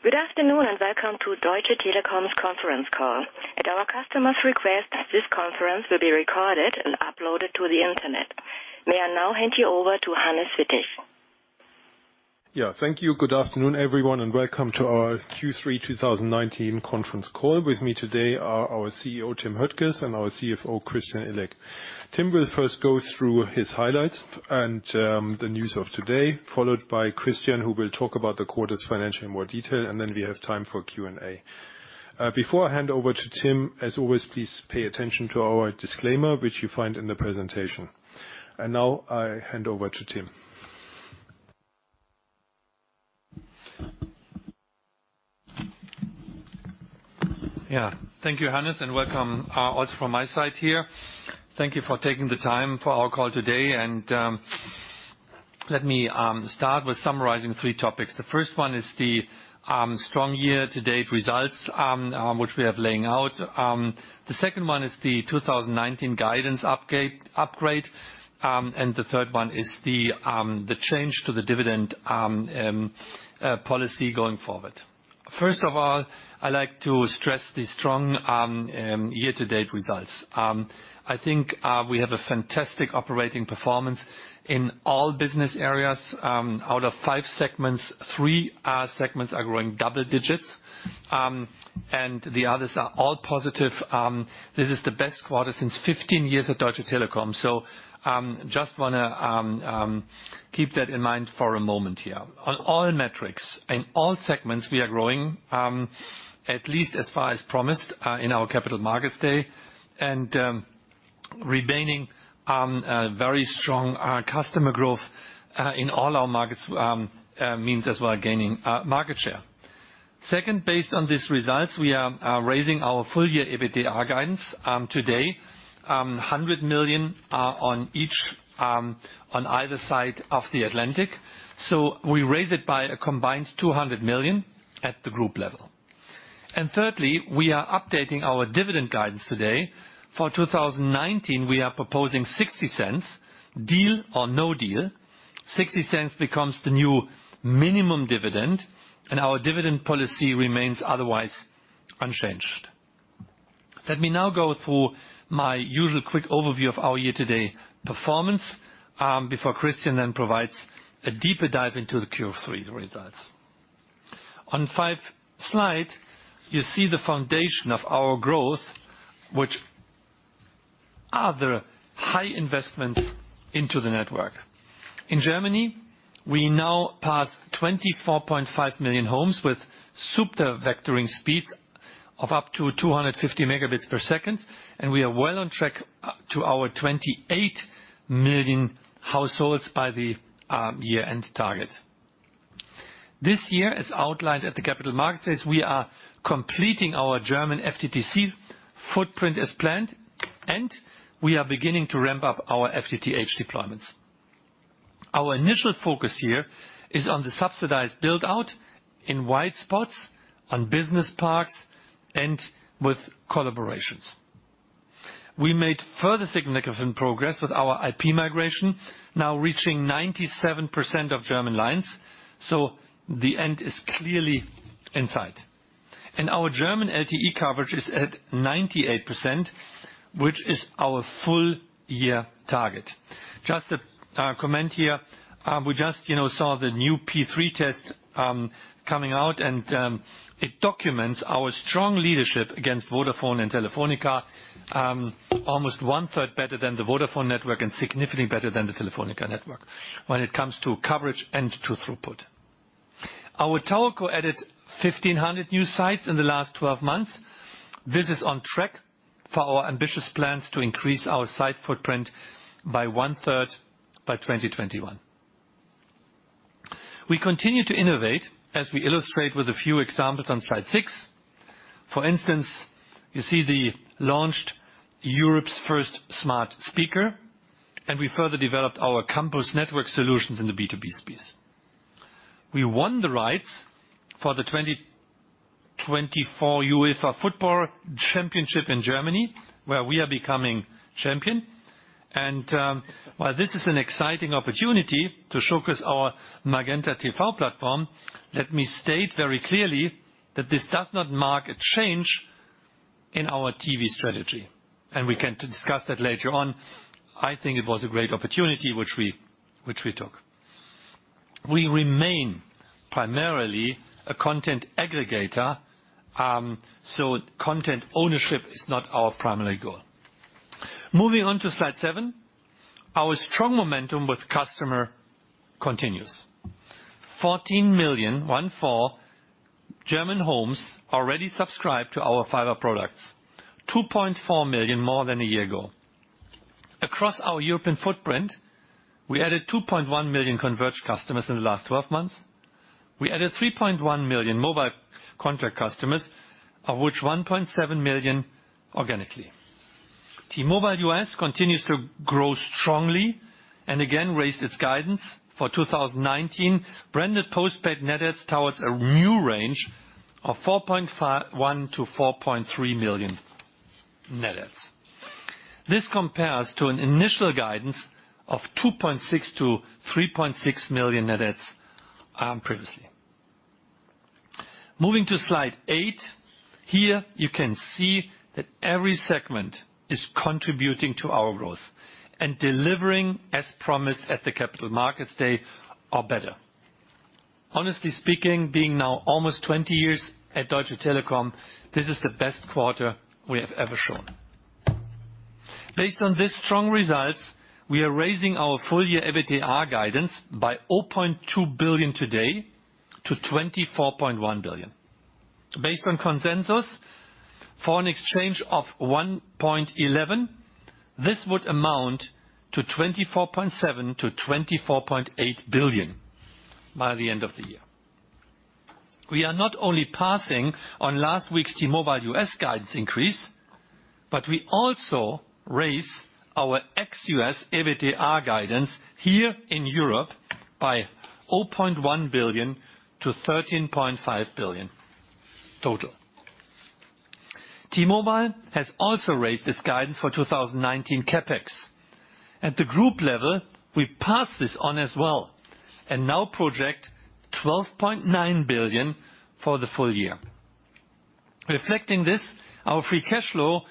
Good afternoon, welcome to Deutsche Telekom's conference call. At our customers' request, this conference will be recorded and uploaded to the Internet. May I now hand you over to Hannes Wittig. Yeah. Thank you. Good afternoon, everyone, welcome to our Q3 2019 conference call. With me today are our CEO, Tim Höttges, and our CFO, Christian Illek. Tim will first go through his highlights and the news of today, followed by Christian, who will talk about the quarter's financial in more detail, and then we have time for Q&A. Before I hand over to Tim, as always, please pay attention to our disclaimer, which you find in the presentation. Now I hand over to Tim. Thank you, Hannes, welcome also from my side here. Thank you for taking the time for our call today. Let me start with summarizing three topics. The first one is the strong year-to-date results, which we are laying out. The second one is the 2019 guidance upgrade. The third one is the change to the dividend policy going forward. First of all, I like to stress the strong year-to-date results. I think we have a fantastic operating performance in all business areas. Out of five segments, three segments are growing double digits, and the others are all positive. This is the best quarter since 15 years at Deutsche Telekom. Just want to keep that in mind for a moment here. On all metrics, in all segments, we are growing, at least as far as promised in our capital markets day. Remaining very strong customer growth in all our markets means as well gaining market share. Second, based on these results, we are raising our full year EBITDA guidance today, 100 million on either side of the Atlantic. We raise it by a combined 200 million at the group level. Thirdly, we are updating our dividend guidance today. For 2019, we are proposing 0.60, deal or no deal. 0.60 becomes the new minimum dividend, and our dividend policy remains otherwise unchanged. Let me now go through my usual quick overview of our year-to-date performance before Christian then provides a deeper dive into the Q3 results. On five slide, you see the foundation of our growth, which are the high investments into the network. In Germany, we now pass 24.5 million homes with super vectoring speeds of up to 250 megabits per second, and we are well on track to our 28 million households by the year-end target. This year, as outlined at the capital markets, is we are completing our German FTTC footprint as planned, and we are beginning to ramp up our FTTH deployments. Our initial focus here is on the subsidized build-out in white spots, on business parks, and with collaborations. We made further significant progress with our IP migration, now reaching 97% of German lines, so the end is clearly in sight. Our German LTE coverage is at 98%, which is our full year target. Just a comment here. We just saw the new P3 test coming out. It documents our strong leadership against Vodafone and Telefónica, almost one-third better than the Vodafone network and significantly better than the Telefónica network when it comes to coverage and to throughput. Our towerco added 1,500 new sites in the last 12 months. This is on track for our ambitious plans to increase our site footprint by one-third by 2021. We continue to innovate as we illustrate with a few examples on slide six. For instance, you see the launched Europe's first Smart Speaker. We further developed our campus network solutions in the B2B space. We won the rights for the 2024 UEFA Football Championship in Germany, where we are becoming champion. While this is an exciting opportunity to showcase our MagentaTV platform, let me state very clearly that this does not mark a change in our TV strategy. We can discuss that later on. I think it was a great opportunity which we took. We remain primarily a content aggregator, so content ownership is not our primary goal. Moving on to slide seven. Our strong momentum with customer continues. 14 million, one, four, German homes already subscribed to our fiber products, 2.4 million more than a year ago. Across our European footprint, we added 2.1 million converged customers in the last 12 months. We added 3.1 million mobile contract customers, of which 1.7 million organically. T-Mobile US continues to grow strongly and again raised its guidance for 2019. Branded postpaid net adds towards a new range of 4.1 million net adds-4.3 million net adds. This compares to an initial guidance of 2.6 million net adds-3.6 million net adds previously. Moving to slide eight. Here you can see that every segment is contributing to our growth and delivering as promised at the Capital Markets Day, or better. Honestly speaking, being now almost 20 years at Deutsche Telekom, this is the best quarter we have ever shown. Based on these strong results, we are raising our full year EBITDA guidance by 0.2 billion today to 24.1 billion. Based on consensus, for an exchange of 1.11, this would amount to 24.7 billion-24.8 billion by the end of the year. We are not only passing on last week's T-Mobile U.S. guidance increase. We also raise our ex U.S. EBITDA guidance here in Europe by 0.1 billion to 13.5 billion total. T-Mobile has also raised its guidance for 2019 CapEx. At the group level, we pass this on as well and now project 12.9 billion for the full year. Reflecting this, our free cash flow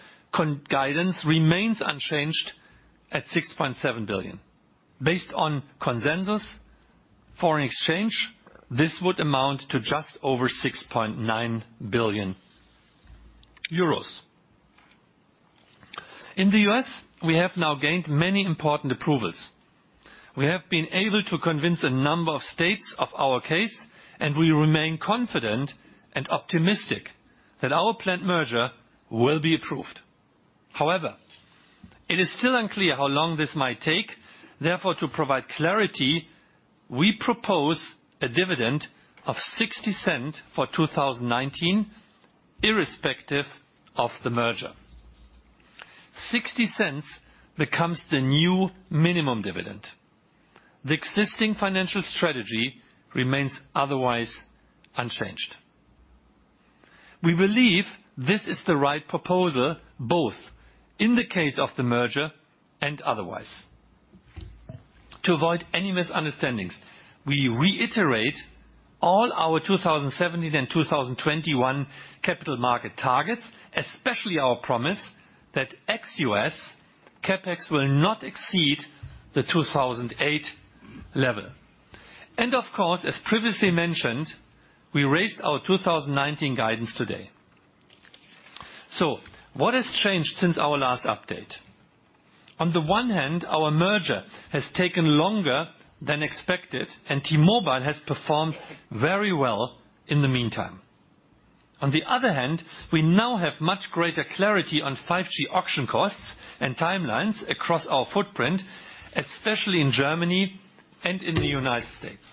guidance remains unchanged at 6.7 billion. Based on consensus foreign exchange, this would amount to just over 6.9 billion euros. In the U.S., we have now gained many important approvals. We have been able to convince a number of states of our case, and we remain confident and optimistic that our planned merger will be approved. However, it is still unclear how long this might take. Therefore, to provide clarity, we propose a dividend of 0.60 for 2019, irrespective of the merger. 0.60 becomes the new minimum dividend. The existing financial strategy remains otherwise unchanged. We believe this is the right proposal, both in the case of the merger and otherwise. To avoid any misunderstandings, we reiterate all our 2017 and 2021 capital market targets, especially our promise that ex U.S. CapEx will not exceed the 2008 level. Of course, as previously mentioned, we raised our 2019 guidance today. What has changed since our last update? On the one hand, our merger has taken longer than expected, and T-Mobile has performed very well in the meantime. On the other hand, we now have much greater clarity on 5G auction costs and timelines across our footprint, especially in Germany and in the United States.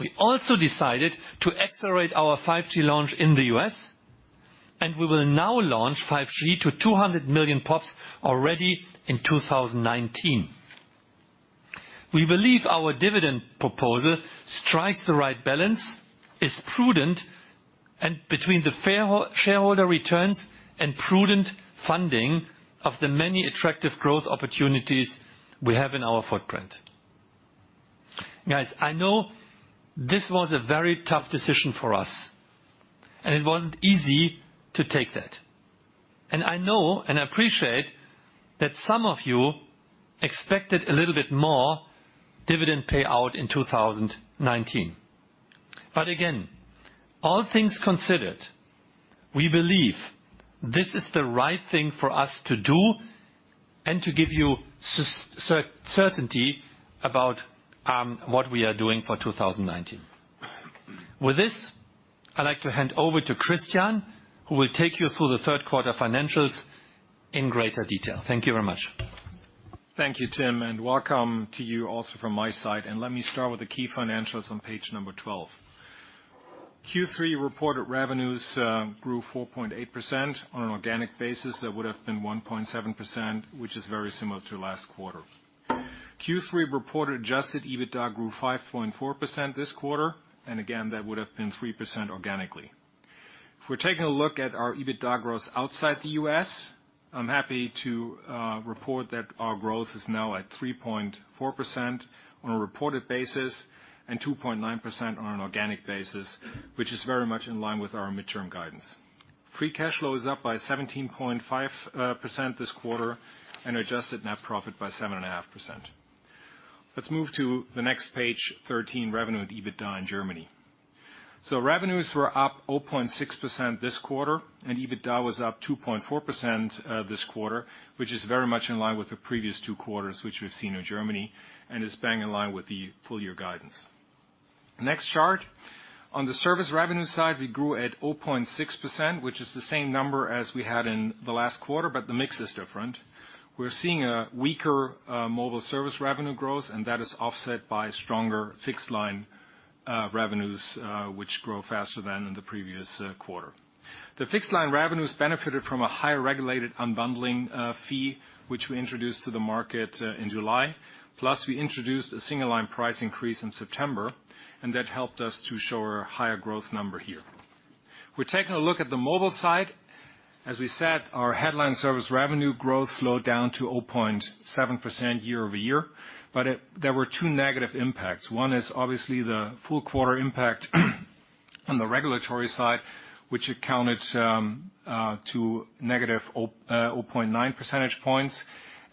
We also decided to accelerate our 5G launch in the U.S., and we will now launch 5G to 200 million POPs already in 2019. We believe our dividend proposal strikes the right balance, is prudent, and between the shareholder returns and prudent funding of the many attractive growth opportunities we have in our footprint. Guys, I know this was a very tough decision for us, and it wasn't easy to take that. I know and appreciate that some of you expected a little bit more dividend payout in 2019. Again, all things considered, we believe this is the right thing for us to do and to give you certainty about what we are doing for 2019. With this, I'd like to hand over to Christian, who will take you through the third quarter financials in greater detail. Thank you very much. Thank you, Tim, welcome to you also from my side. Let me start with the key financials on page number 12. Q3 reported revenues grew 4.8%. On an organic basis, that would have been 1.7%, which is very similar to last quarter. Q3 reported adjusted EBITDA grew 5.4% this quarter, and again, that would have been 3% organically. If we're taking a look at our EBITDA growth outside the U.S., I'm happy to report that our growth is now at 3.4% on a reported basis and 2.9% on an organic basis, which is very much in line with our midterm guidance. Free cash flow is up by 17.5% this quarter and adjusted net profit by 7.5%. Let's move to the next page, 13, revenue and EBITDA in Germany. Revenues were up 0.6% this quarter, and EBITDA was up 2.4% this quarter, which is very much in line with the previous two quarters, which we've seen in Germany and is bang in line with the full year guidance. Next chart. On the service revenue side, we grew at 0.6%, which is the same number as we had in the last quarter, but the mix is different. We're seeing a weaker mobile service revenue growth, and that is offset by stronger fixed line revenues, which grow faster than in the previous quarter. The fixed line revenues benefited from a higher regulated unbundling fee, which we introduced to the market in July. We introduced a single line price increase in September, and that helped us to show a higher growth number here. We're taking a look at the mobile side. As we said, our headline service revenue growth slowed down to 0.7% year-over-year, but there were two negative impacts. One is obviously the full quarter impact on the regulatory side, which accounted to -0.9 percentage points.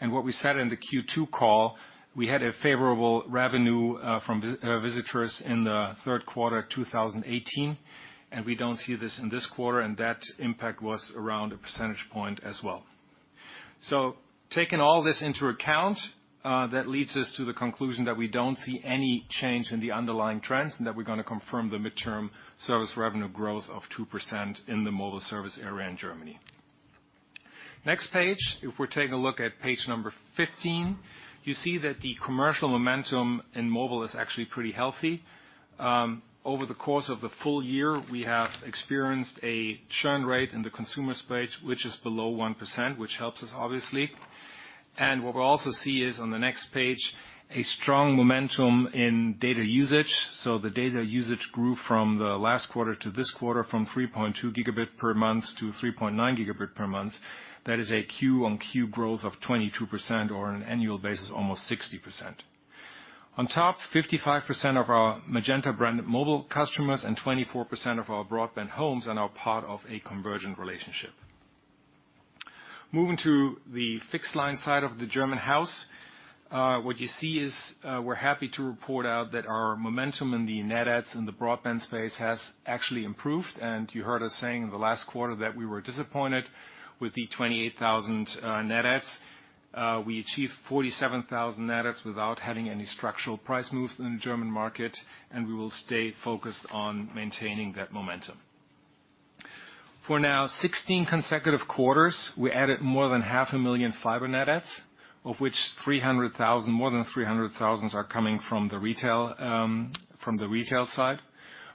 What we said in the Q2 call, we had a favorable revenue from visitors in the third quarter 2018, and we don't see this in this quarter, and that impact was around a percentage point as well. Taking all this into account, that leads us to the conclusion that we don't see any change in the underlying trends, and that we're going to confirm the midterm service revenue growth of 2% in the mobile service area in Germany. Next page. If we're taking a look at page number 15, you see that the commercial momentum in mobile is actually pretty healthy. Over the course of the full year, we have experienced a churn rate in the consumer space, which is below 1%, which helps us, obviously. What we also see is, on the next page, a strong momentum in data usage. The data usage grew from the last quarter to this quarter from 3.2 Gb per month to 3.9 Gb per month. That is a Q-on-Q growth of 22%, or on an annual basis, almost 60%. On top, 55% of our Magenta brand mobile customers and 24% of our broadband homes are now part of a convergent relationship. Moving to the fixed line side of the German house. What you see is, we're happy to report out that our momentum in the net adds in the broadband space has actually improved. You heard us saying in the last quarter that we were disappointed with the 28,000 net adds. We achieved 47,000 net adds without having any structural price moves in the German market, and we will stay focused on maintaining that momentum. For now, 16 consecutive quarters, we added more than half a million fiber net adds, of which more than 300,000 are coming from the retail side.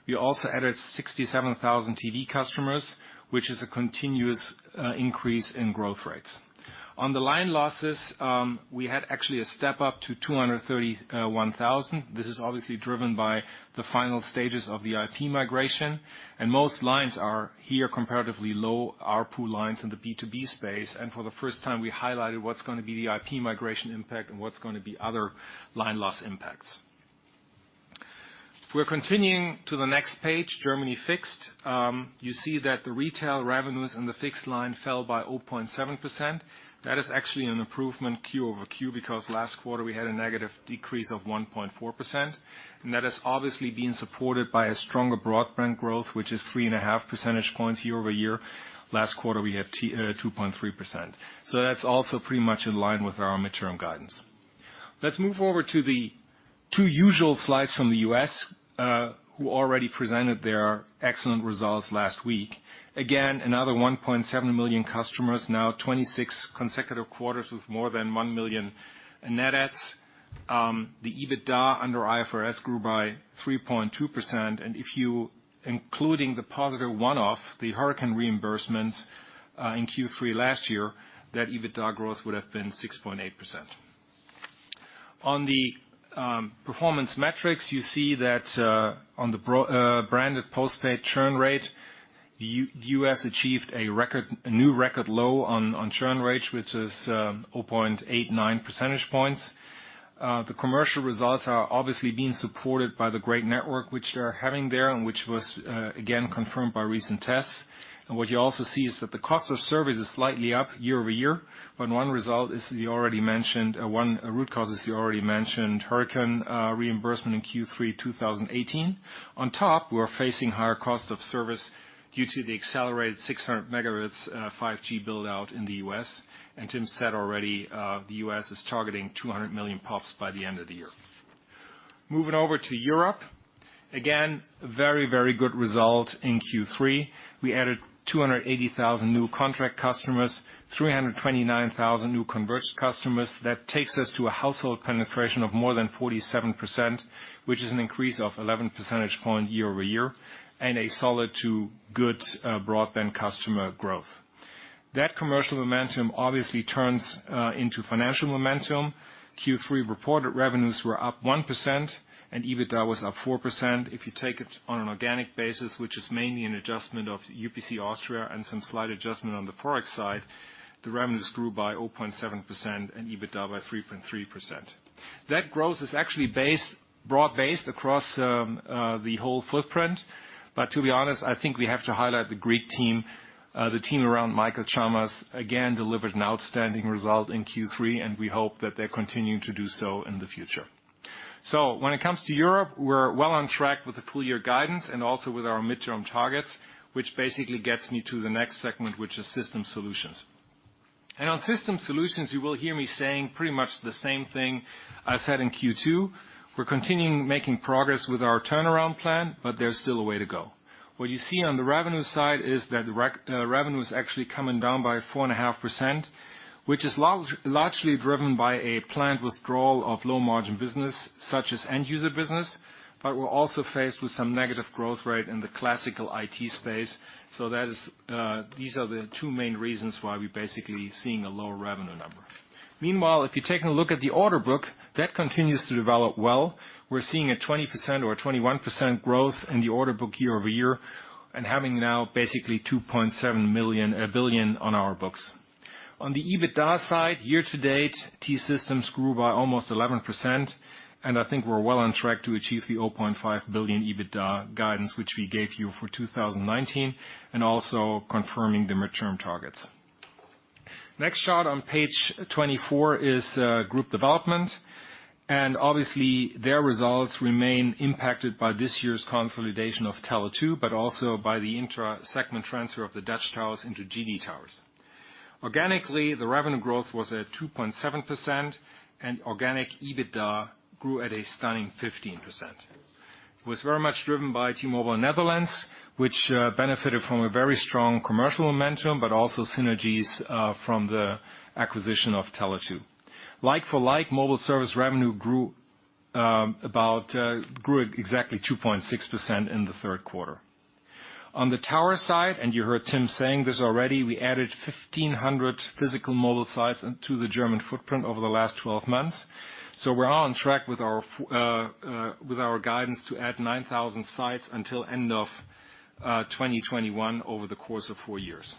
We also added 67,000 TV customers, which is a continuous increase in growth rates. On the line losses, we had actually a step up to 231,000. This is obviously driven by the final stages of the IP migration, and most lines are here comparatively low ARPU lines in the B2B space. For the first time, we highlighted what's going to be the IP migration impact and what's going to be other line loss impacts. If we're continuing to the next page, Germany Fixed. You see that the retail revenues in the fixed line fell by 0.7%. That is actually an improvement Q-over-Q because last quarter we had a negative decrease of 1.4%, and that is obviously being supported by a stronger broadband growth, which is 3.5 percentage points year-over-year. Last quarter, we had 2.3%. That's also pretty much in line with our midterm guidance. Let's move forward to the two usual slides from the U.S., who already presented their excellent results last week. Again, another 1.7 million customers. Now 26 consecutive quarters with more than one million net adds. The EBITDA under IFRS grew by 3.2%. If you including the positive one-off, the hurricane reimbursements, in Q3 last year, that EBITDA growth would have been 6.8%. On the performance metrics, you see that on the branded postpaid churn rate, U.S. achieved a new record low on churn rates, which is 0.89 percentage points. The commercial results are obviously being supported by the great network which they are having there and which was, again, confirmed by recent tests. What you also see is that the cost of service is slightly up year-over-year, but one root cause is the already mentioned hurricane reimbursement in Q3 2018. On top, we are facing higher cost of service due to the accelerated 600 MHz and 5G build-out in the U.S. Tim said already, the U.S. is targeting 200 million POPs by the end of the year. Moving over to Europe. Again, very good result in Q3. We added 280,000 new contract customers, 329,000 new converged customers. That takes us to a household penetration of more than 47%, which is an increase of 11 percentage point year-over-year, and a solid to good broadband customer growth. That commercial momentum obviously turns into financial momentum. Q3 reported revenues were up 1%, and EBITDA was up 4%. If you take it on an organic basis, which is mainly an adjustment of UPC Austria and some slight adjustment on the product side, the revenues grew by 0.7% and EBITDA by 3.3%. That growth is actually broad-based across the whole footprint. To be honest, I think we have to highlight the Greek team. The team around Michael Tsamaz, again, delivered an outstanding result in Q3, and we hope that they're continuing to do so in the future. When it comes to Europe, we're well on track with the full-year guidance and also with our midterm targets, which basically gets me to the next segment, which is Systems Solutions. On Systems Solutions, you will hear me saying pretty much the same thing I said in Q2. We're continuing making progress with our turnaround plan, but there's still a way to go. What you see on the revenue side is that revenue is actually coming down by 4.5%, which is largely driven by a planned withdrawal of low-margin business, such as end-user business. We're also faced with some negative growth rate in the classical IT space. These are the two main reasons why we're basically seeing a lower revenue number. Meanwhile, if you're taking a look at the order book, that continues to develop well. We're seeing a 20% or 21% growth in the order book year-over-year, and having now basically 2.7 billion on our books. On the EBITDA side, year-to-date, T-Systems grew by almost 11%, and I think we're well on track to achieve the 0.5 billion EBITDA guidance, which we gave you for 2019, and also confirming the midterm targets. Next chart on page 24 is group development. Obviously, their results remain impacted by this year's consolidation of Tele2, but also by the intra-segment transfer of the Dutch towers into GD Towers. Organically, the revenue growth was at 2.7%, and organic EBITDA grew at a stunning 15%. It was very much driven by T-Mobile Netherlands, which benefited from a very strong commercial momentum, but also synergies from the acquisition of Tele2. Like for like, mobile service revenue grew exactly 2.6% in the third quarter. On the tower side, you heard Tim saying this already, we added 1,500 physical mobile sites into the German footprint over the last 12 months. We're on track with our guidance to add 9,000 sites until end of 2021 over the course of four years.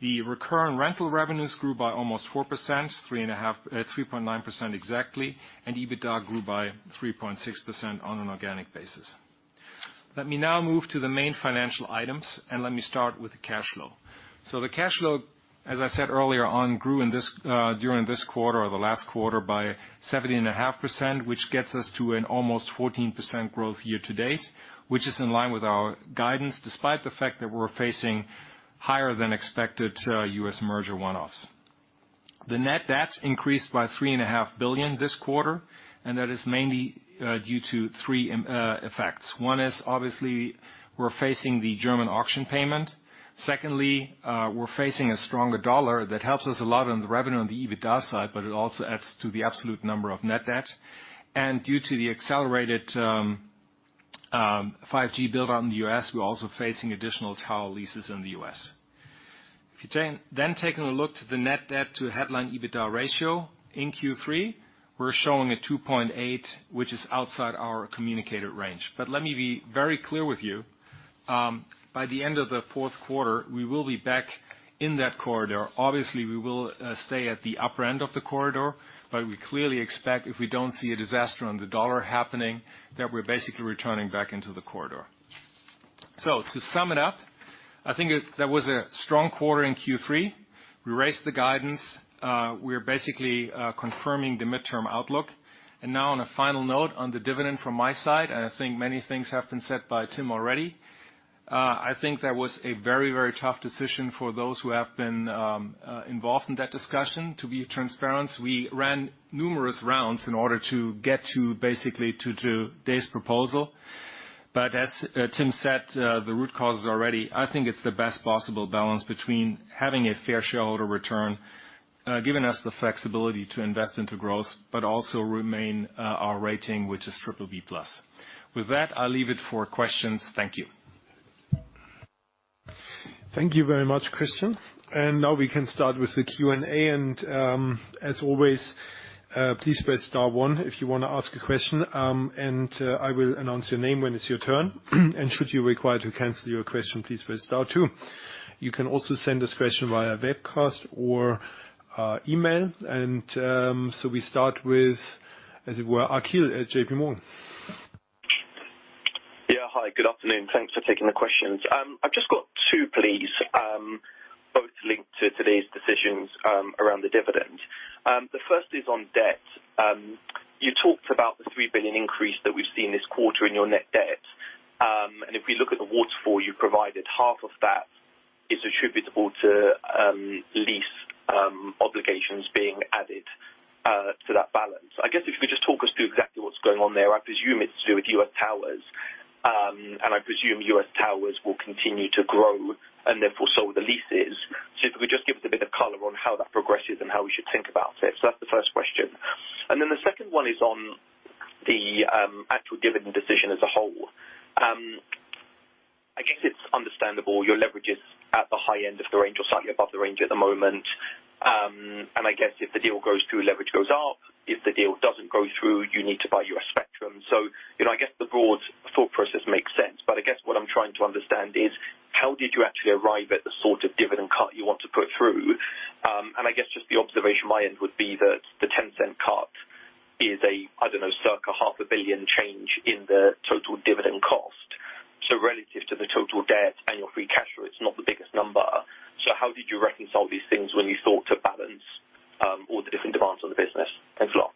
The recurrent rental revenues grew by almost 4%, 3.9% exactly. EBITDA grew by 3.6% on an organic basis. Let me now move to the main financial items, and let me start with the cash flow. The cash flow, as I said earlier on, grew during this quarter or the last quarter, by 17.5%, which gets us to an almost 14% growth year-to-date, which is in line with our guidance, despite the fact that we're facing higher than expected U.S. merger one-offs. The net debt increased by $3.5 billion this quarter, and that is mainly due to three effects. One is obviously we're facing the German auction payment. Secondly, we're facing a stronger dollar that helps us a lot on the revenue on the EBITDA side, but it also adds to the absolute number of net debt. Due to the accelerated 5G build-out in the U.S., we're also facing additional tower leases in the U.S. If you taking a look to the net debt to headline EBITDA ratio in Q3, we're showing a 2.8, which is outside our communicated range. Let me be very clear with you. By the end of the fourth quarter, we will be back in that corridor. Obviously, we will stay at the upper end of the corridor. We clearly expect if we don't see a disaster on the dollar happening, that we're basically returning back into the corridor. To sum it up, I think that was a strong quarter in Q3. We raised the guidance. We're basically confirming the midterm outlook. Now on a final note on the dividend from my side, and I think many things have been said by Tim already. I think that was a very tough decision for those who have been involved in that discussion. To be transparent, we ran numerous rounds in order to get to, basically, today's proposal. As Tim said, the root cause is already, I think it's the best possible balance between having a fair shareholder return, giving us the flexibility to invest into growth, but also remain our rating, which is BBB+. With that, I'll leave it for questions. Thank you. Thank you very much, Christian. Now we can start with the Q&A. As always, please press star one if you want to ask a question. I will announce your name when it's your turn. Should you require to cancel your question, please press star two. You can also send this question via webcast or email. We start with, as it were, Akhil at JPMorgan. Yeah. Hi, good afternoon. Thanks for taking the questions. I've just got two, please, both linked to today's decisions around the dividend. The first is on debt. You talked about the 3 billion increase that we've seen this quarter in your net debt. If we look at the waterfall you provided, half of that is attributable to lease obligations being added to that balance. I guess if you could just talk us through exactly what's going on there. I presume it's to do with U.S. towers. I presume U.S. towers will continue to grow and therefore so will the leases. If you could just give us a bit of color on how that progresses and how we should think about it. That's the first question. The second one is on the actual dividend decision as a whole. I guess it's understandable your leverage is at the high end of the range or slightly above the range at the moment. I guess if the deal goes through, leverage goes up. If the deal doesn't go through, you need to buy U.S. spectrum. I guess the broad thought process makes sense. I guess what I'm trying to understand is how did you actually arrive at the sort of dividend cut you want to put through? I guess just the observation my end would be that the 0.10 cut is a, I don't know, circa half a billion change in the total dividend cost. Relative to the total debt annual free cash flow, it's not the biggest number. How did you reconcile these things when you thought to balance all the different demands on the business? Thanks a lot.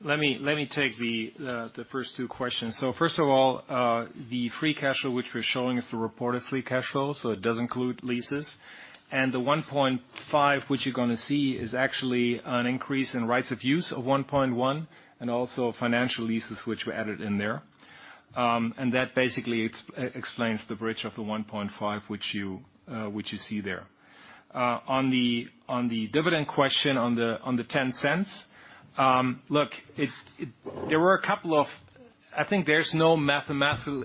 Let me take the first two questions. First of all, the free cash flow, which we're showing, is the reported free cash flow, so it does include leases. The 1.5 which you're going to see is actually an increase in rights of use of 1.1 and also financial leases which were added in there. That basically explains the bridge of the 1.5 which you see there. On the dividend question, on the 0.10. Look, I think there's no mathematical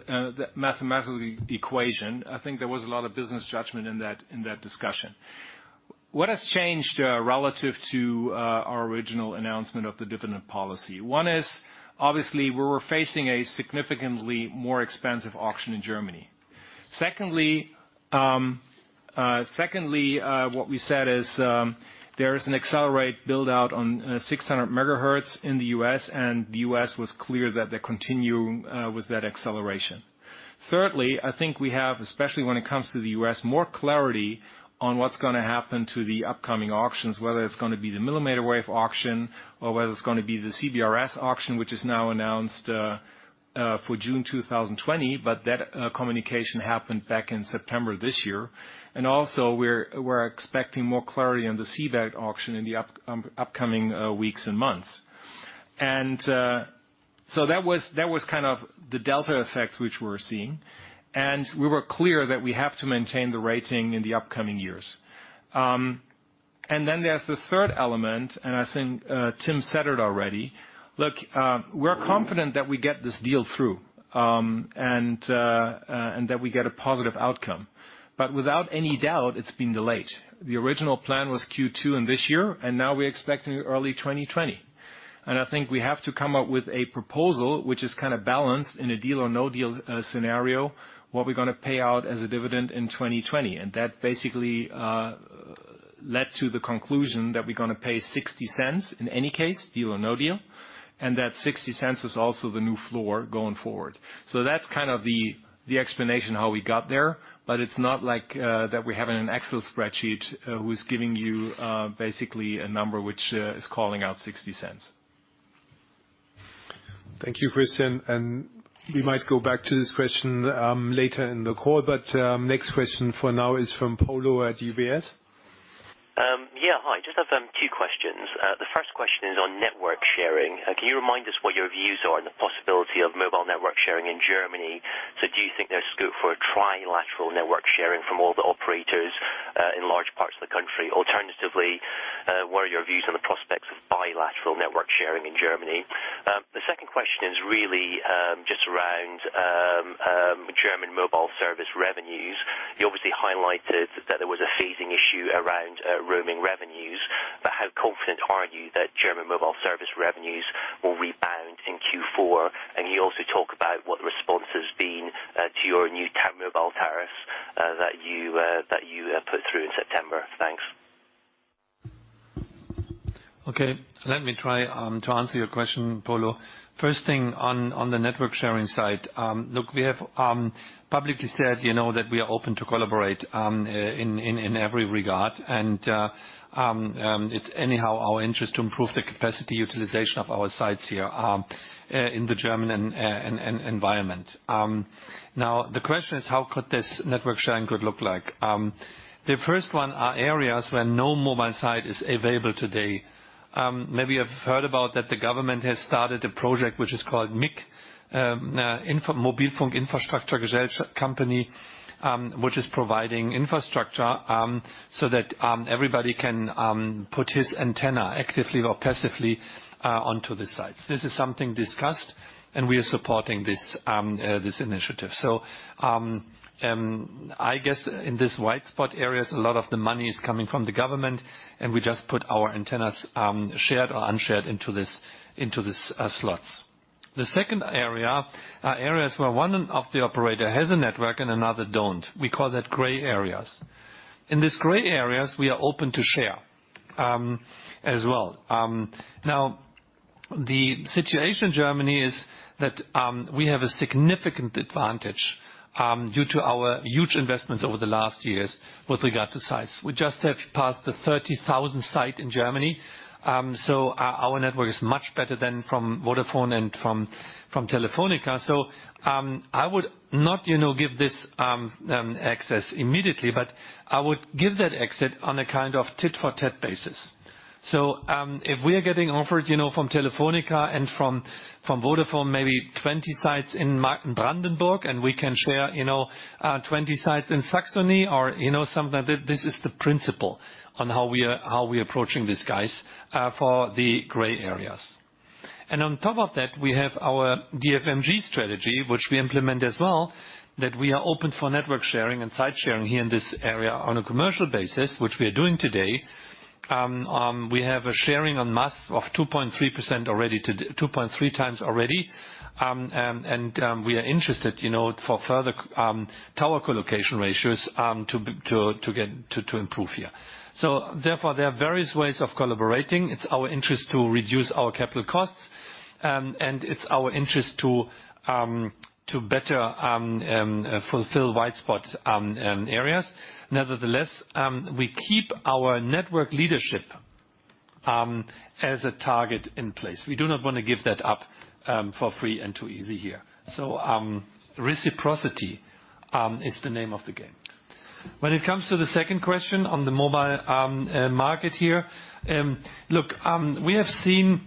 equation. I think there was a lot of business judgment in that discussion. What has changed relative to our original announcement of the dividend policy? One is, obviously, we were facing a significantly more expensive auction in Germany. Secondly, what we said is, there is an accelerate build-out on 600 MHz in the U.S., and the U.S. was clear that they're continuing with that acceleration. Thirdly, I think we have, especially when it comes to the U.S., more clarity on what's going to happen to the upcoming auctions, whether it's going to be the millimeter wave auction or whether it's going to be the CBRS auction, which is now announced for June 2020. That communication happened back in September this year. Also, we're expecting more clarity on the C-band auction in the upcoming weeks and months. So that was the delta effect which we're seeing, and we were clear that we have to maintain the rating in the upcoming years. Then there's the third element, and I think Tim said it already. Look, we're confident that we get this deal through, and that we get a positive outcome. Without any doubt, it's been delayed. The original plan was Q2 in this year, and now we're expecting early 2020. I think we have to come up with a proposal which is balanced in a deal or no deal scenario, what we're going to pay out as a dividend in 2020. That basically led to the conclusion that we're going to pay 0.60 in any case, deal or no deal, and that 0.60 is also the new floor going forward. That's the explanation how we got there. It's not like that we have an Excel spreadsheet, who's giving you basically a number which is calling out 0.60. Thank you, Christian. We might go back to this question later in the call. Next question for now is from Polo at UBS. Yeah. Hi. Just have two questions. The first question is on network sharing. Can you remind us what your views are on the possibility of mobile network sharing in Germany? Do you think there's scope for a trilateral network sharing from all the operators, in large parts of the country? Alternatively, what are your views on the prospects of bilateral network sharing in Germany? The second question is really just around German mobile service revenues. You obviously highlighted that there was a phasing issue around roaming revenues. How confident are you that German mobile service revenues will rebound in Q4? Can you also talk about what the response has been to your new mobile tariffs that you put through in September? Thanks. Okay. Let me try to answer your question, Polo. First thing on the network sharing side. Look, we have publicly said that we are open to collaborate in every regard. It's anyhow our interest to improve the capacity utilization of our sites here in the German environment. The question is, how could this network sharing look like? The first one are areas where no mobile site is available today. Maybe you have heard about that the government has started a project which is called MIG, Mobilfunkinfrastrukturgesellschaft company, which is providing infrastructure, so that everybody can put his antenna actively or passively onto the sites. This is something discussed, and we are supporting this initiative. I guess in these white spot areas, a lot of the money is coming from the government, and we just put our antennas, shared or unshared, into the slots. The second area are areas where one of the operator has a network and another don't. We call that gray areas. In these gray areas, we are open to share, as well. The situation in Germany is that we have a significant advantage due to our huge investments over the last years with regard to size. We just have passed the 30,000 site in Germany. Our network is much better than from Vodafone and from Telefónica. I would not give this access immediately, but I would give that access on a tit for tat basis. If we are getting offered from Telefónica and from Vodafone, maybe 20 sites in Brandenburg, and we can share 20 sites in Saxony or something like that. This is the principle on how we approaching these guys for the gray areas. On top of that, we have our DFMG strategy, which we implement as well, that we are open for network sharing and site sharing here in this area on a commercial basis, which we are doing today. We have a sharing on masts of 2.3x already. We are interested for further tower co-location ratios to improve here. Therefore, there are various ways of collaborating. It's our interest to reduce our capital costs, and it's our interest to better fulfill white spot areas. Nevertheless, we keep our network leadership as a target in place. We do not want to give that up for free and too easy here. Reciprocity is the name of the game. When it comes to the second question on the mobile market here. Look, we have seen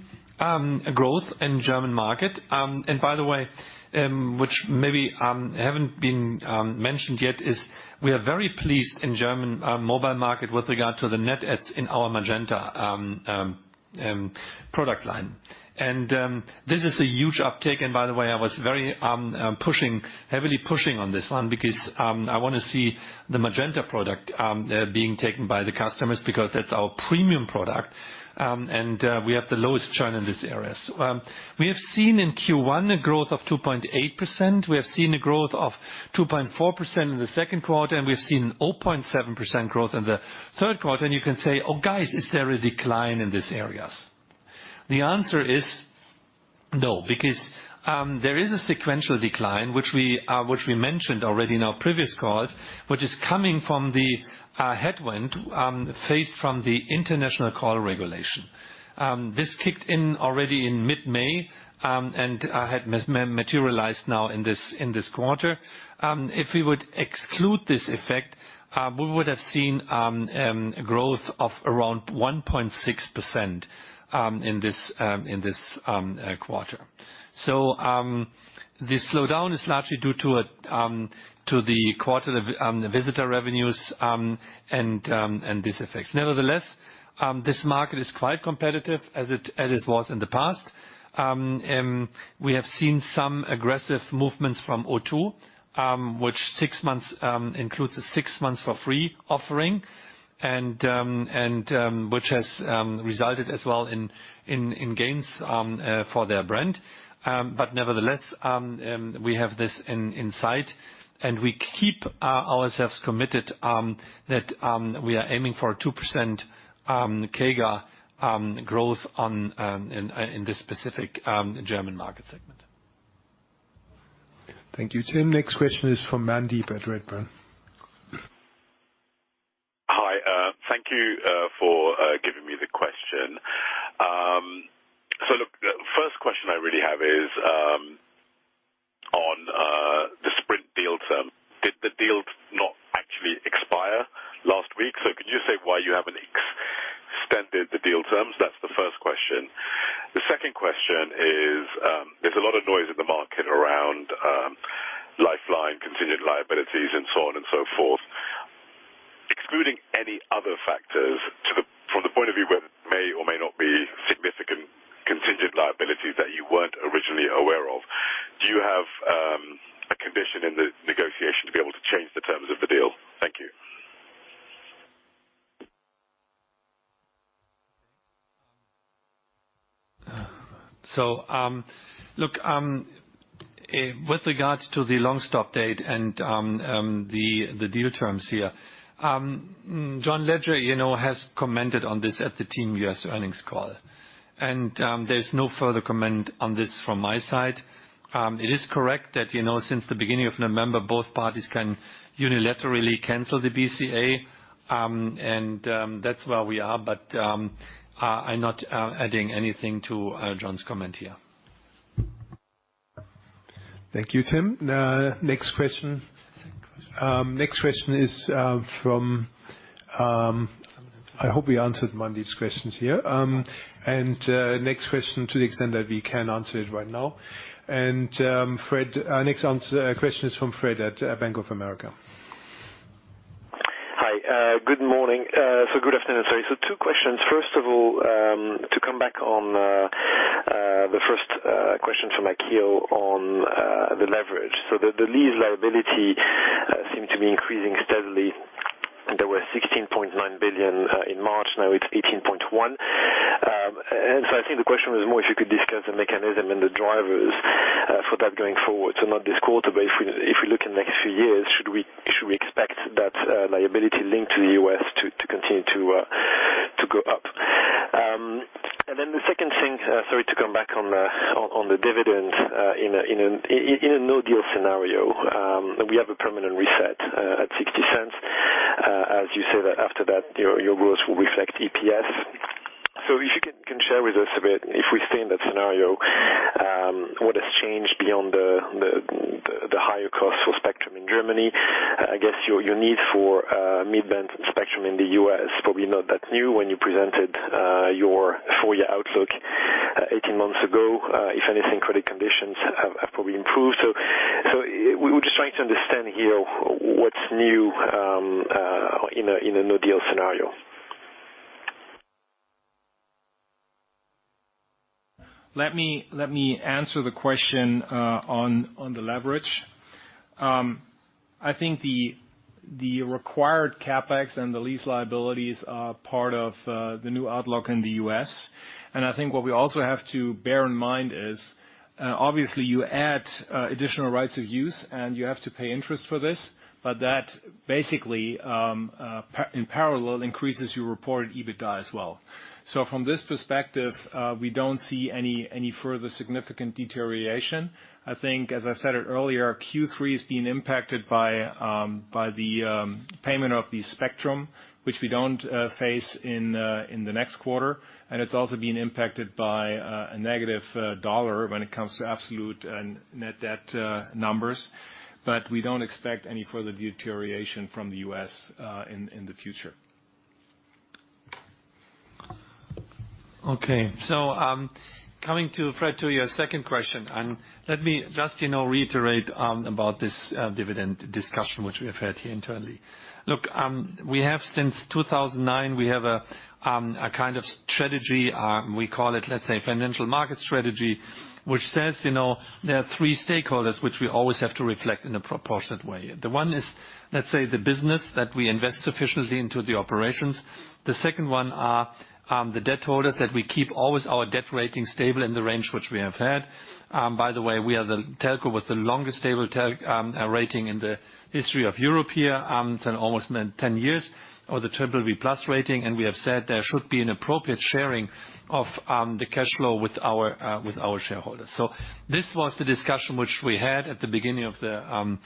growth in German market. By the way Which maybe haven't been mentioned yet is we are very pleased in German mobile market with regard to the net adds in our Magenta product line. This is a huge uptick. By the way, I was heavily pushing on this one because, I want to see the Magenta product being taken by the customers because that's our premium product, and we have the lowest churn in these areas. We have seen in Q1 a growth of 2.8%. We have seen a growth of 2.4% in the second quarter, and we've seen an 0.7% growth in the third quarter. You can say, "Oh guys, is there a decline in these areas?" The answer is no, because there is a sequential decline, which we mentioned already in our previous calls, which is coming from the headwind faced from the International call regulation. This kicked in already in mid-May, and had materialized now in this quarter. If we would exclude this effect, we would have seen growth of around 1.6% in this quarter. The slowdown is largely due to the quarter visitor revenues. Nevertheless, this market is quite competitive as it was in the past. We have seen some aggressive movements from O2, which includes a six months for free offering and which has resulted as well in gains for their brand. Nevertheless, we have this in insight, and we keep ourselves committed that we are aiming for a 2% CAGR growth in this specific German market segment. Thank you, Tim. Next question is from Mandeep at Redburn. Hi. Thank you for giving me the question. Look, the first question I really have is on the Sprint deal term. Did the deal not actually expire last week? Could you say why you haven't extended the deal terms? That's the first question. The second question is, there's a lot of noise in the market around Lifeline contingent liabilities and so on and so forth. Excluding any other factors from the point of view where there may or may not be significant contingent liabilities that you weren't originally aware of, do you have a condition in the negotiation to be able to change the terms of the deal? Thank you. Look, with regards to the long stop date and the deal terms here. John Legere has commented on this at the T-Mobile U.S. earnings call. There's no further comment on this from my side. It is correct that since the beginning of November, both parties can unilaterally cancel the BCA, and that's where we are. I'm not adding anything to John's comment here. Thank you, Tim. Next question is, I hope we answered Mandeep's questions here. Next question to the extent that we can answer it right now. Next question is from Fred at Bank of America. Hi. Good morning. Good afternoon, sorry. Two questions. First of all, to come back on the first question from Akhil on the leverage. The lease liability seemed to be increasing steadily. There were 16.9 billion in March, now it's 18.1 billion. I think the question was more if you could discuss the mechanism and the drivers for that going forward. Not this quarter, but if we look in next few years, should we expect that liability linked to the U.S. to continue to go up? The second thing, sorry, to come back on the dividends, in a no-deal scenario, we have a permanent reset at 0.60. As you say that after that, your growth will reflect EPS. If you can share with us a bit, if we stay in that scenario, what has changed beyond the higher cost for spectrum in Germany? I guess your need for mid-band spectrum in the U.S. probably not that new when you presented your full-year outlook 18 months ago. If anything, credit conditions have probably improved. We were just trying to understand here what's new in a no-deal scenario. Let me answer the question on the leverage. I think the required CapEx and the lease liabilities are part of the new outlook in the U.S. I think what we also have to bear in mind is, obviously you add additional rights of use and you have to pay interest for this, but that basically, in parallel, increases your reported EBITDA as well. From this perspective, we don't see any further significant deterioration. I think, as I said it earlier, Q3 is being impacted by the payment of the spectrum, which we don't face in the next quarter. It's also being impacted by a negative dollar when it comes to absolute and net debt numbers. We don't expect any further deterioration from the U.S. in the future. Okay. Coming to, Fred, to your second question, and let me just reiterate about this dividend discussion, which we have had here internally. Look, since 2009, we have a kind of strategy, we call it, let's say, financial market strategy, which says there are three stakeholders which we always have to reflect in a proportionate way. The one is, let's say, the business that we invest sufficiently into the operations. The second one are the debt holders that we keep always our debt rating stable in the range which we have had. By the way, we are the telco with the longest stable telco rating in the history of Europe here. It's almost been 10 years of the BBB+ rating, and we have said there should be an appropriate sharing of the cash flow with our shareholders. This was the discussion which we had at the beginning of the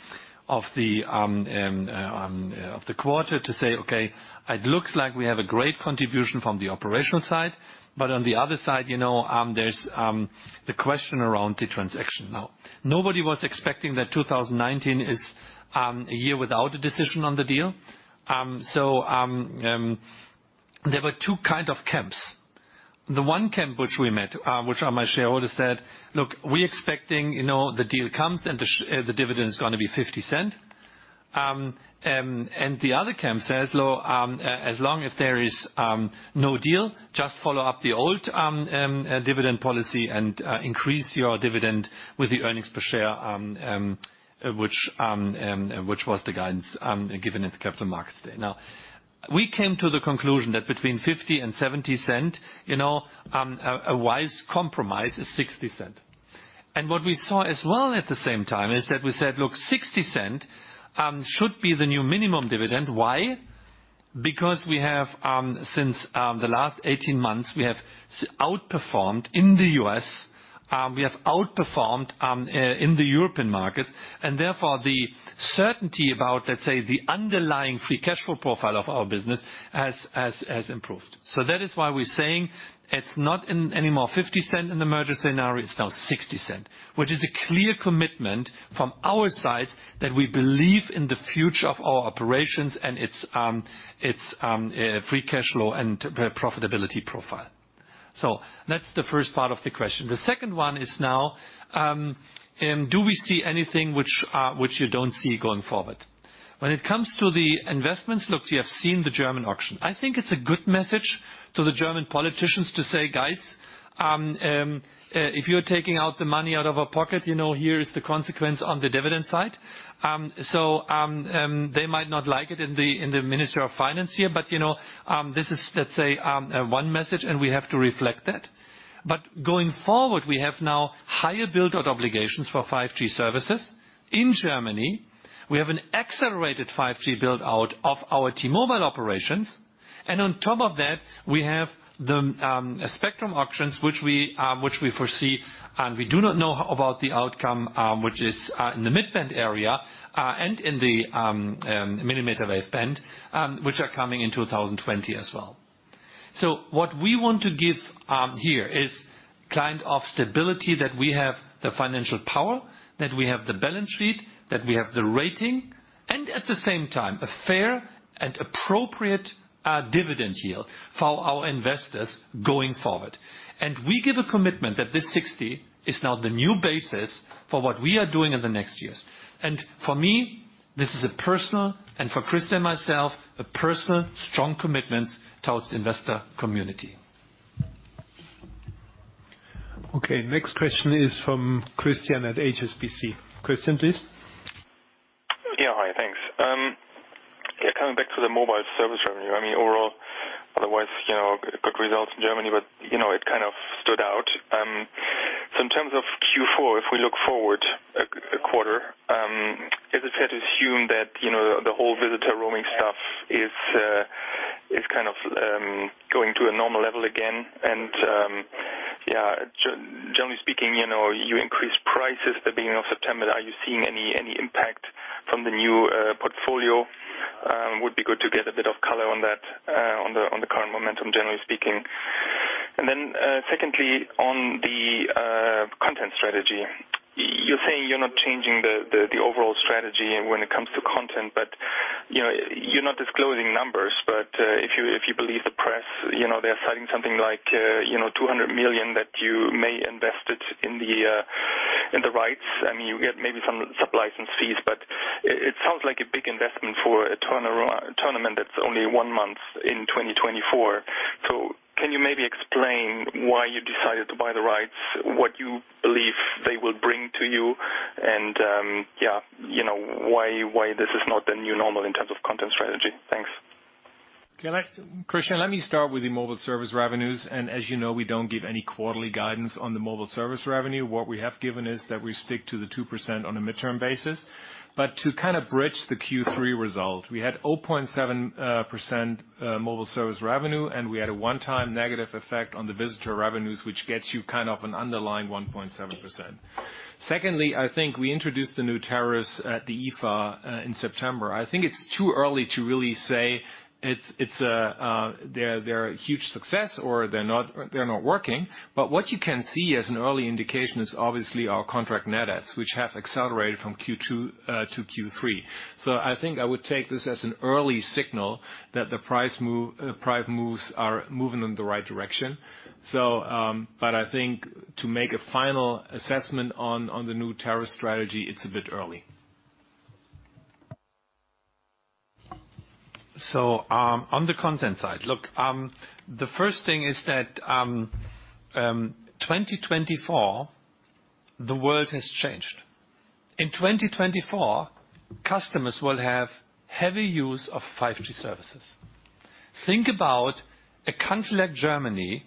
quarter to say, okay, it looks like we have a great contribution from the operational side, but on the other side, there's the question around the transaction now. Nobody was expecting that 2019 is a year without a decision on the deal. There were two kind of camps. The one camp, which we met, which my shareholder said: "Look, we're expecting the deal comes, and the dividend is going to be 0.50." The other camp says, as long as there is no deal, just follow up the old dividend policy and increase your dividend with the earnings per share, which was the guidance given at the Capital Markets Day. We came to the conclusion that between 0.50 and 0.70, a wise compromise is 0.60. What we saw as well at the same time is that we said, look, 0.60 should be the new minimum dividend. Why? Because since the last 18 months, we have outperformed in the U.S., we have outperformed in the European markets, and therefore the certainty about, let's say, the underlying free cash flow profile of our business has improved. That is why we're saying it's not anymore 0.50 in the merger scenario. It's now 0.60, which is a clear commitment from our side that we believe in the future of our operations and its free cash flow and profitability profile. That's the first part of the question. The second one is now, do we see anything which you don't see going forward? When it comes to the investments, look, we have seen the German auction. I think it's a good message to the German politicians to say, "Guys, if you're taking out the money out of our pocket, here is the consequence on the dividend side." They might not like it in the Ministry of Finance here. This is, let's say, one message, and we have to reflect that. Going forward, we have now higher build-out obligations for 5G services in Germany. We have an accelerated 5G build-out of our T-Mobile operations. On top of that, we have the spectrum auctions, which we foresee, and we do not know about the outcome which is in the mid-band area, and in the millimeter wave band, which are coming in 2024 as well. What we want to give here is kind of stability that we have the financial power, that we have the balance sheet, that we have the rating, and at the same time, a fair and appropriate dividend yield for our investors going forward. We give a commitment that this 60 is now the new basis for what we are doing in the next years. For me, this is a personal, and for Chris and myself, a personal strong commitment towards investor community. Okay. Next question is from Christian at HSBC. Christian, please. Hi. Thanks. Coming back to the mobile service revenue. Overall, otherwise, good results in Germany, but it kind of stood out. In terms of Q4, if we look forward a quarter, is it fair to assume that the whole visitor roaming stuff is kind of going to a normal level again? Generally speaking, you increased prices the beginning of September. Are you seeing any impact from the new portfolio? Would be good to get a bit of color on that, on the current momentum, generally speaking. Secondly, on the content strategy. You're saying you're not changing the overall strategy when it comes to content. You're not disclosing numbers. If you believe the press, they're citing something like 200 million that you may invested in the rights. You get maybe some sub-license fees. It sounds like a big investment for a tournament that's only one month in 2024. Can you maybe explain why you decided to buy the rights, what you believe they will bring to you, and why this is not the new normal in terms of content strategy? Thanks. Christian, let me start with the mobile service revenues. As you know, we don't give any quarterly guidance on the mobile service revenue. To kind of bridge the Q3 result, we had 0.7% mobile service revenue, and we had a one-time negative effect on the visitor revenues, which gets you an underlying 1.7%. Secondly, I think we introduced the new tariffs at the IFA in September. I think it's too early to really say they're a huge success or they're not working. What you can see as an early indication is obviously our contract net adds, which have accelerated from Q2 to Q3. I think I would take this as an early signal that the price moves are moving in the right direction. I think to make a final assessment on the new tariff strategy, it's a bit early. On the content side. Look, the first thing is that 2024, the world has changed. In 2024, customers will have heavy use of 5G services. Think about a country like Germany,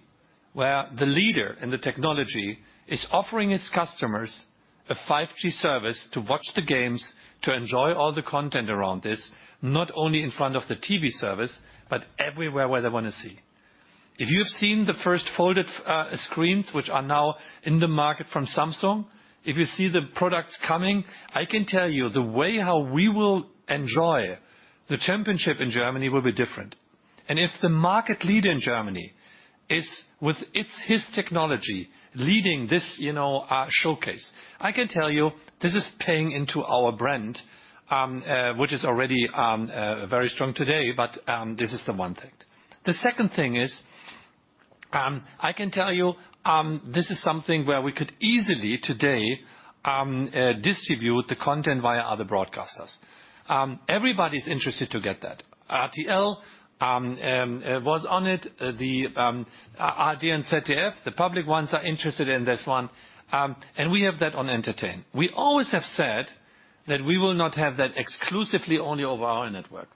where the leader in the technology is offering its customers a 5G service to watch the games, to enjoy all the content around this, not only in front of the TV service, but everywhere where they want to see. If you've seen the first folded screens, which are now in the market from Samsung, if you see the products coming, I can tell you the way how we will enjoy the championship in Germany will be different. If the market leader in Germany is, with its technology, leading this showcase. I can tell you, this is paying into our brand, which is already very strong today. This is the one thing. The second thing is, I can tell you this is something where we could easily, today, distribute the content via other broadcasters. Everybody's interested to get that. RTL was on it. The ARD and ZDF, the public ones, are interested in this one. We have that on Entertain. We always have said that we will not have that exclusively only over our network.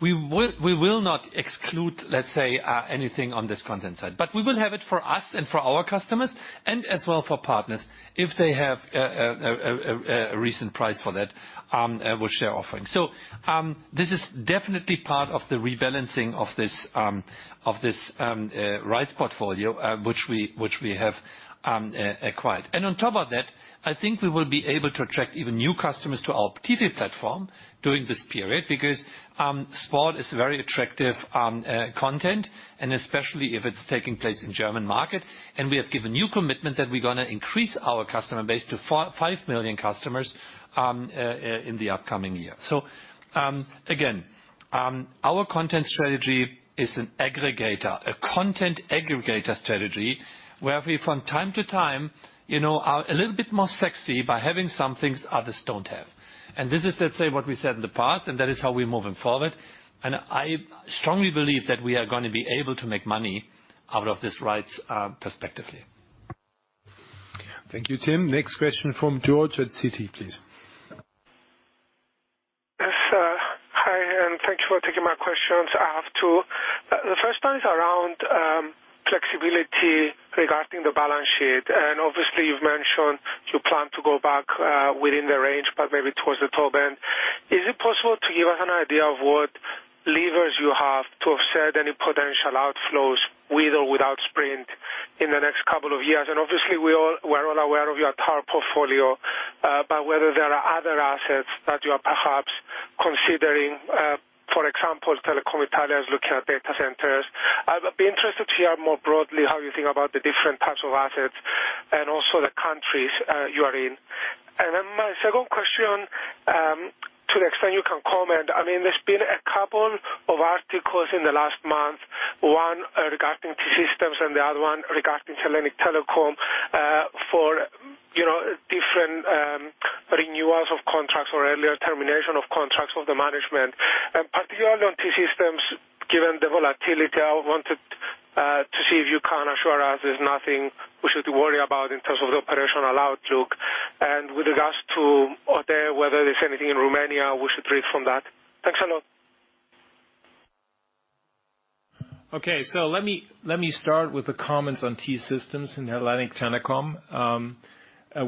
We will not exclude, let's say, anything on this content side. We will have it for us and for our customers and as well for partners if they have a recent price for that, we'll share offerings. This is definitely part of the rebalancing of this rights portfolio, which we have acquired. On top of that, I think we will be able to attract even new customers to our TV platform during this period, because sport is very attractive content and especially if it's taking place in German market. We have given new commitment that we're going to increase our customer base to five million customers in the upcoming year. Again, our content strategy is an aggregator, a content aggregator strategy, where we from time to time are a little bit more sexy by having some things others don't have. This is, let's say, what we said in the past, and that is how we're moving forward. I strongly believe that we are going to be able to make money out of this rights perspectively. Thank you, Tim. Next question from George at Citi, please. Yes. Hi, thank you for taking my questions. I have two. The first one is around flexibility regarding the balance sheet. Obviously you've mentioned you plan to go back within the range, but maybe towards the top end. Is it possible to give us an idea of what levers you have to offset any potential outflows with or without Sprint in the next couple of years? Obviously we're all aware of your tower portfolio, but whether there are other assets that you are perhaps considering, for example, Telecom Italia is looking at data centers. I'd be interested to hear more broadly how you think about the different types of assets and also the countries you are in. My second question, to the extent you can comment, there's been a couple of articles in the last month. One regarding T-Systems and the other one regarding Hellenic Telecom, for different renewals of contracts or earlier termination of contracts of the management. Particularly on T-Systems, given the volatility, I wanted to see if you can assure us there's nothing we should worry about in terms of the operational outlook and with regards to OTE, whether there's anything in Romania we should read from that. Thanks a lot. Okay. Let me start with the comments on T-Systems and Hellenic Telecom.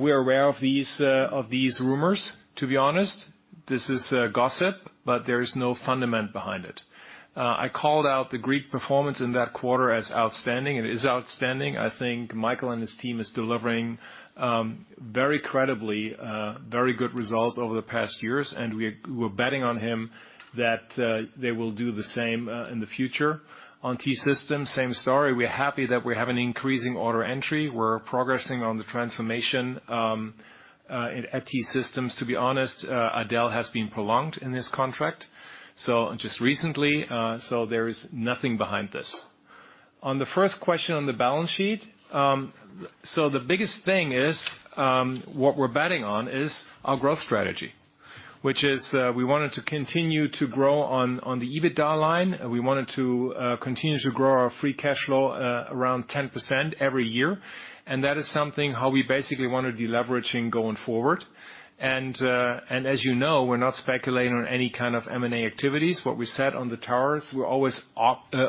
We are aware of these rumors. To be honest, this is gossip, but there is no fundament behind it. I called out the Greek performance in that quarter as outstanding, and it is outstanding. I think Michael and his team is delivering very credibly, very good results over the past years, and we're betting on him that they will do the same in the future. On T-Systems, same story. We are happy that we have an increasing order entry. We're progressing on the transformation at T-Systems. To be honest, Adel has been prolonged in this contract, so just recently. There is nothing behind this. On the first question on the balance sheet. The biggest thing is, what we're betting on is our growth strategy. We wanted to continue to grow on the EBITDA line. We wanted to continue to grow our free cash flow around 10% every year. That is something how we basically want to deleveraging going forward. As you know, we're not speculating on any kind of M&A activities. What we said on the towers, we're always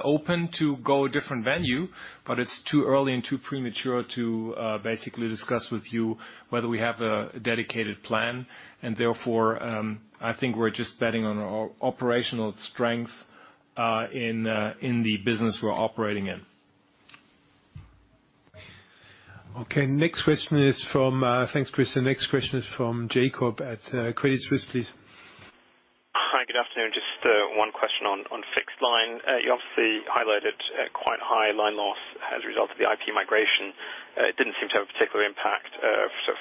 open to go a different venue, but it's too early and too premature to basically discuss with you whether we have a dedicated plan. Therefore, I think we're just betting on operational strength in the business we're operating in. Okay. Thanks, Chris. The next question is from Jakob at Credit Suisse, please. Hi, good afternoon. Just one question on fixed line. You obviously highlighted quite high line loss as a result of the IP migration. It didn't seem to have a particular impact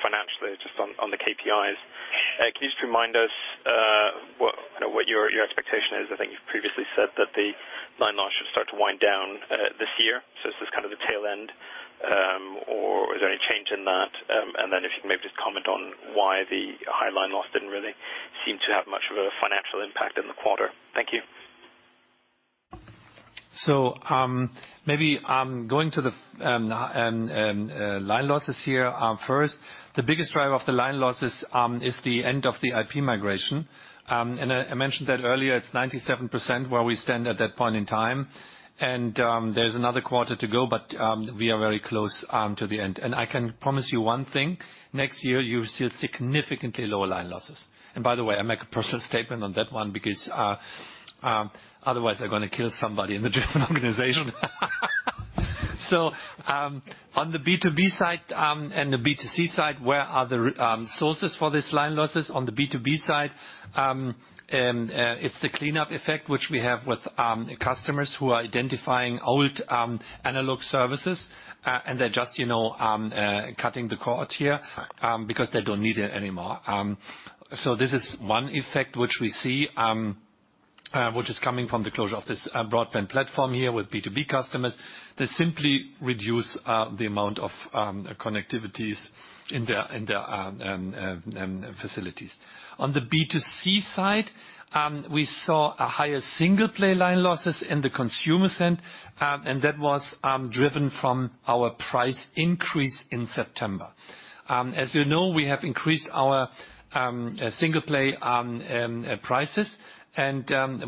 financially, just on the KPIs. Can you just remind us what your expectation is? I think you've previously said that the line loss should start to wind down this year. Is this kind of the tail end? Or is there any change in that? If you can maybe just comment on why the high line loss didn't really seem to have much of a financial impact in the quarter. Thank you. Maybe going to the line losses here first. The biggest driver of the line losses is the end of the IP migration. I mentioned that earlier, it's 97% where we stand at that point in time. There's another quarter to go, but we are very close to the end. I can promise you one thing, next year you'll see significantly lower line losses. By the way, I make a personal statement on that one because, otherwise they're going to kill somebody in the German organization. On the B2B side, and the B2C side, where are the sources for this line losses on the B2B side? It's the cleanup effect, which we have with customers who are identifying old analog services. They're just cutting the cord here because they don't need it anymore. This is one effect which we see, which is coming from the closure of this broadband platform here with B2B customers. They simply reduce the amount of connectivities in their facilities. On the B2C side, we saw a higher single play line losses in the consumer segment, that was driven from our price increase in September. As you know, we have increased our single play prices,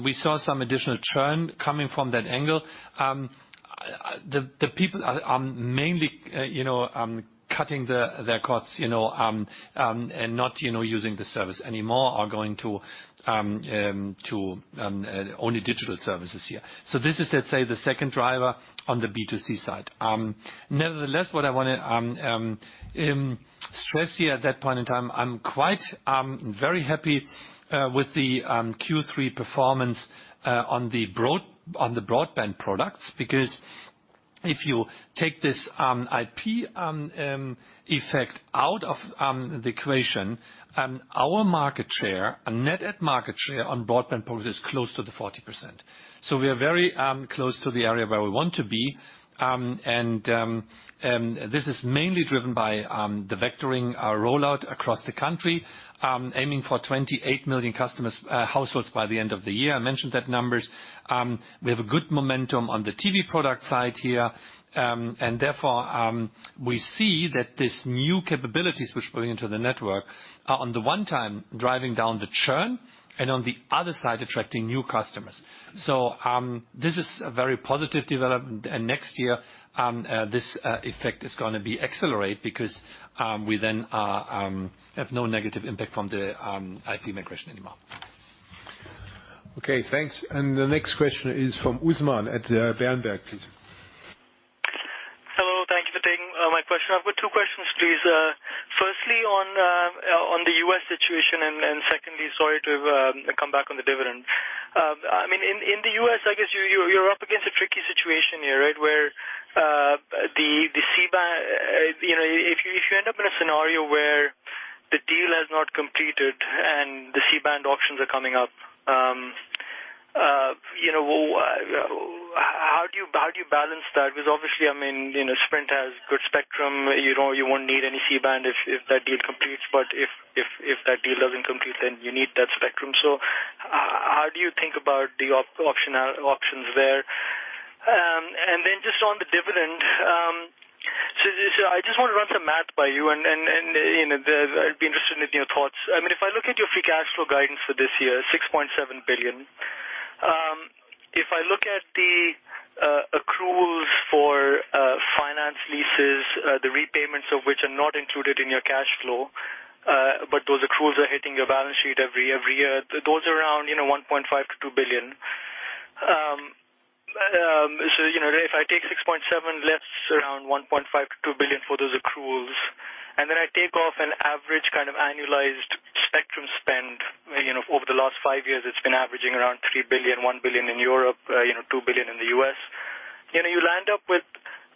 we saw some additional churn coming from that angle. The people are mainly cutting their cords and not using the service anymore are going to only digital services here. This is, let's say, the second driver on the B2C side. Nevertheless, what I want to stress here at that point in time, I'm very happy with the Q3 performance on the broadband products. Because if you take this IP effect out of the equation, our net add market share on broadband products is close to the 40%. We are very close to the area where we want to be. This is mainly driven by the vectoring rollout across the country, aiming for 28 million households by the end of the year. I mentioned that numbers. We have a good momentum on the TV product side here. We see that these new capabilities which bring into the network are on the one time driving down the churn and on the other side attracting new customers. This is a very positive development. Next year, this effect is going to be accelerated because we then have no negative impact from the IP migration anymore. Okay, thanks. The next question is from Usman at the Berenberg, please. Hello, thank you for taking my question. I've got two questions, please. Firstly, on the U.S. situation, secondly, sorry to come back on the dividend. In the U.S., I guess you're up against a tricky situation here, right? If you end up in a scenario where the deal has not completed and the C-band auctions are coming up, how do you balance that? Obviously, Sprint has good spectrum. You won't need any C-band if that deal completes. If that deal doesn't complete, you need that spectrum. How do you think about the auctions there? Then just on the dividend, I just want to run some math by you and I'd be interested in your thoughts. If I look at your free cash flow guidance for this year, 6.7 billion. If I look at the accruals for finance leases, the repayments of which are not included in your cash flow, but those accruals are hitting your balance sheet every year. Those around 1.5 billion-2 billion. If I take 6.7, less around 1.5 billion-2 billion for those accruals, and then I take off an average kind of annualized spectrum spend, over the last five years, it's been averaging around 3 billion, 1 billion in Europe, 2 billion in the U.S. You land up with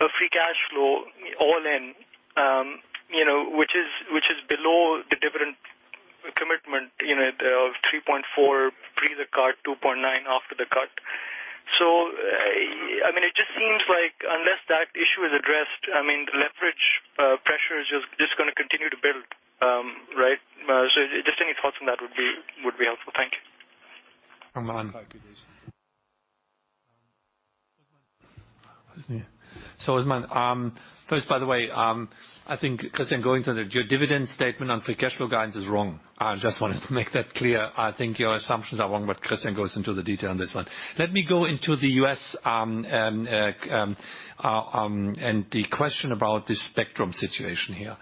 a free cash flow all in, which is below the dividend commitment, of 3.4 pre the cut, 2.9 after the cut. It just seems like unless that issue is addressed, the leverage pressure is just going to continue to build, right? Just any thoughts on that would be helpful. Thank you. Usman. Usman, first, by the way, I think Christian going to the dividend statement on free cash flow guidance is wrong. I just wanted to make that clear. I think your assumptions are wrong. Christian goes into the detail on this one. Let me go into the U.S. and the question about the spectrum situation here.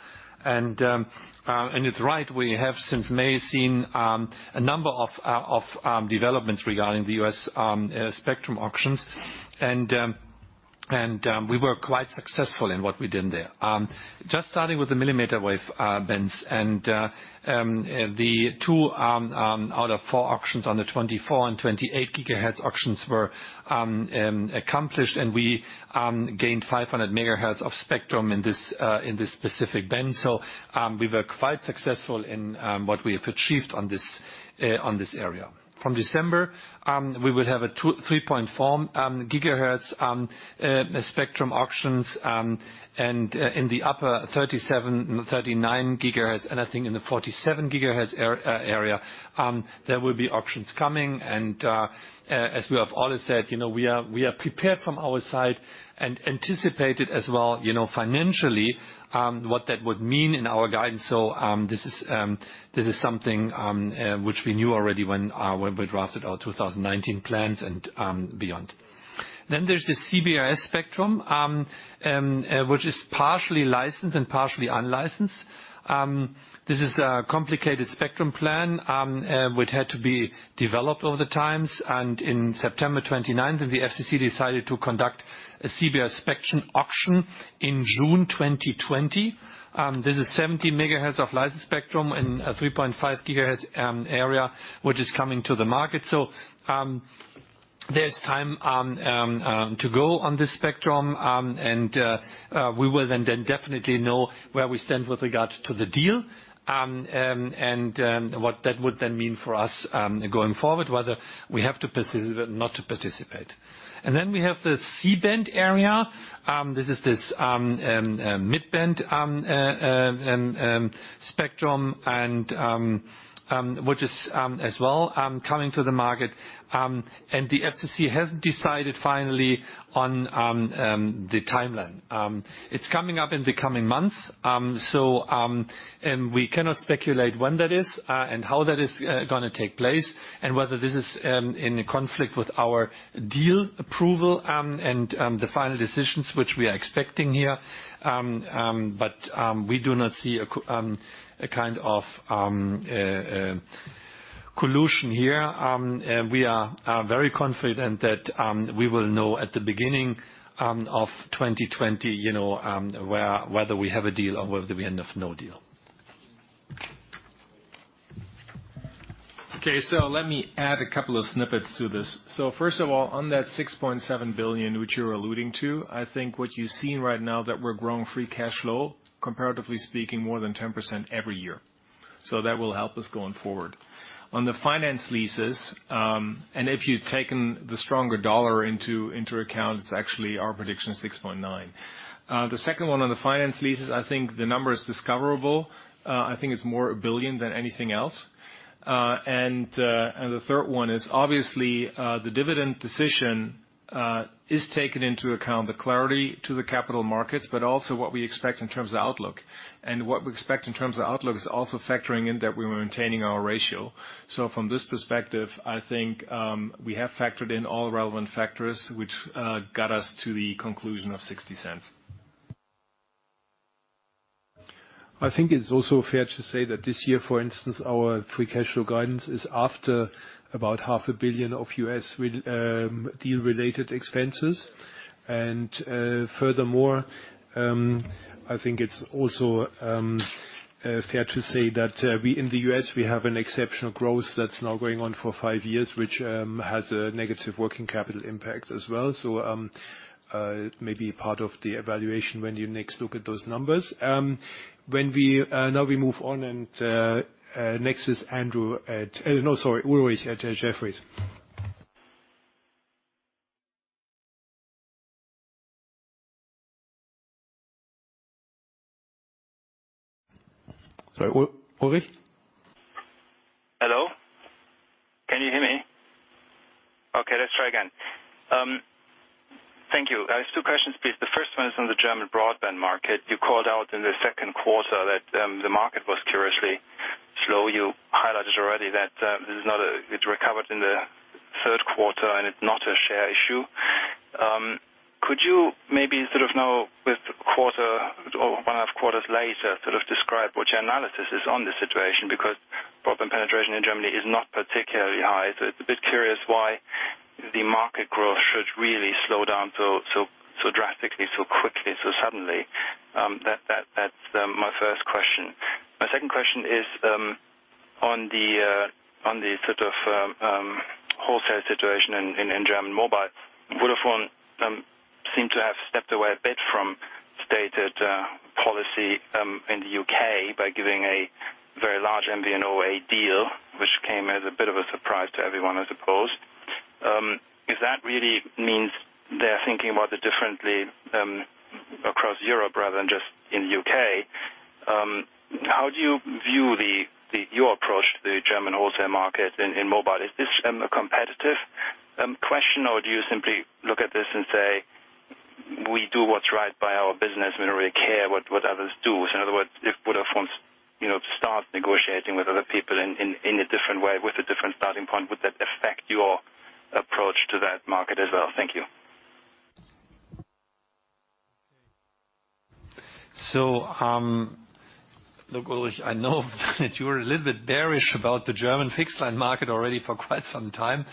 We were quite successful in what we did there. Just starting with the millimeter wave bands and the two out of four auctions on the 24 GHz and 28 GHz auctions were accomplished, and we gained 500 MHz of spectrum in this specific band. We were quite successful in what we have achieved on this area. From December, we will have a 3.4 GHz spectrum auctions and in the upper 37 GHz, 39 GHz, and I think in the 47 GHz area, there will be auctions coming. As we have always said, we are prepared from our side and anticipated as well financially, what that would mean in our guidance. This is something which we knew already when we drafted our 2019 plans and beyond. There's the CBRS spectrum, which is partially licensed and partially unlicensed. This is a complicated spectrum plan, which had to be developed over the times. In September 29th when the FCC decided to conduct a CBRS spectrum auction in June 2020. This is 70 MHz of licensed spectrum in a 3.5 GHz area, which is coming to the market. There's time to go on this spectrum, and we will then definitely know where we stand with regard to the deal, and what that would then mean for us going forward, whether we have to participate or not to participate. Then we have the C-band area. This is this mid-band spectrum and which is as well coming to the market. The FCC has decided finally on the timeline. It's coming up in the coming months. We cannot speculate when that is, and how that is going to take place, and whether this is in conflict with our deal approval and the final decisions which we are expecting here. We do not see a kind of collusion here. We are very confident that we will know at the beginning of 2020, whether we have a deal or whether we end of no deal. Let me add a couple of snippets to this. First of all, on that 6.7 billion which you're alluding to, I think what you've seen right now that we're growing free cash flow, comparatively speaking, more than 10% every year. That will help us going forward. On the finance leases, and if you'd taken the stronger dollar into account, it's actually our prediction is 6.9 billion. The second one on the finance leases, I think the number is discoverable. I think it's more 1 billion than anything else. The third one is obviously, the dividend decision is taken into account, the clarity to the capital markets, but also what we expect in terms of outlook. What we expect in terms of outlook is also factoring in that we're maintaining our ratio. From this perspective, I think, we have factored in all relevant factors, which got us to the conclusion of 0.60. I think it's also fair to say that this year, for instance, our free cash flow guidance is after about half a billion EUR of U.S. deal related expenses. Furthermore, I think it's also fair to say that we, in the U.S., we have an exceptional growth that's now going on for five years, which has a negative working capital impact as well. Maybe part of the evaluation when you next look at those numbers. Now we move on and, next is Andrew at-- No, sorry, Ulrich at Jefferies. Sorry, Ulrich. Hello. Can you hear me? Okay, let's try again. Thank you. I have two questions, please. The first one is on the German broadband market. You called out in the second quarter that the market was curiously slow. You highlighted already that it recovered in the third quarter, and it's not a share issue. Could you maybe sort of now with quarter or one and half quarters later, sort of describe what your analysis is on this situation? Broadband penetration in Germany is not particularly high. It's a bit curious why the market growth should really slow down so drastically, so quickly, so suddenly. That's my first question. My second question is on the sort of wholesale situation in German mobile. Vodafone seem to have stepped away a bit from stated policy in the U.K. by giving a very large MVNO a deal, which came as a bit of a surprise to everyone, I suppose. If that really means they're thinking about it differently across Europe rather than just in U.K., how do you view your approach to the German wholesale market in mobile? Is this a competitive question, or do you simply look at this and say, "We do what's right by our business. We don't really care what others do." In other words, if Vodafone start negotiating with other people in a different way with a different starting point, would that affect your approach to that market as well? Thank you. Look, Ulrich, I know that you are a little bit bearish about the German fixed line market already for quite some time.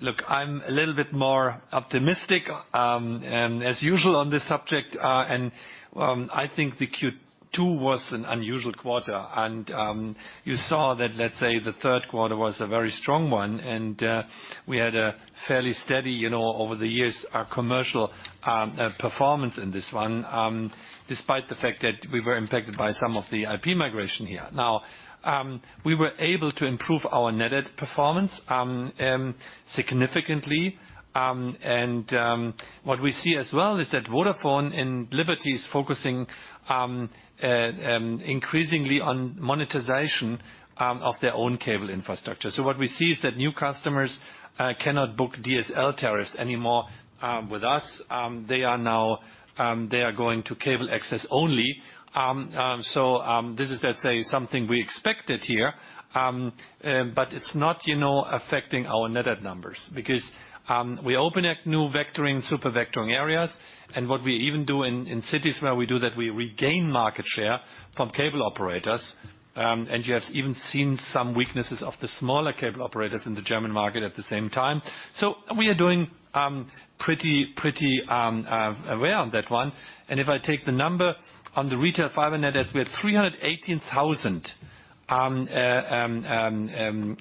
Look, I'm a little bit more optimistic, as usual, on this subject. I think the Q2 was an unusual quarter. You saw that the third quarter was a very strong one and we had a fairly steady, over the years, commercial performance in this one, despite the fact that we were impacted by some of the IP migration here. We were able to improve our net add performance significantly. What we see as well is that Vodafone and Liberty is focusing increasingly on monetization of their own cable infrastructure. What we see is that new customers cannot book DSL tariffs anymore with us. They are going to cable access only. This is something we expected here. It's not affecting our net add numbers because we open at new super vectoring areas. What we even do in cities where we do that, we regain market share from cable operators. You have even seen some weaknesses of the smaller cable operators in the German market at the same time. We are doing pretty well on that one. If I take the number on the retail fiber net adds, we had 318,000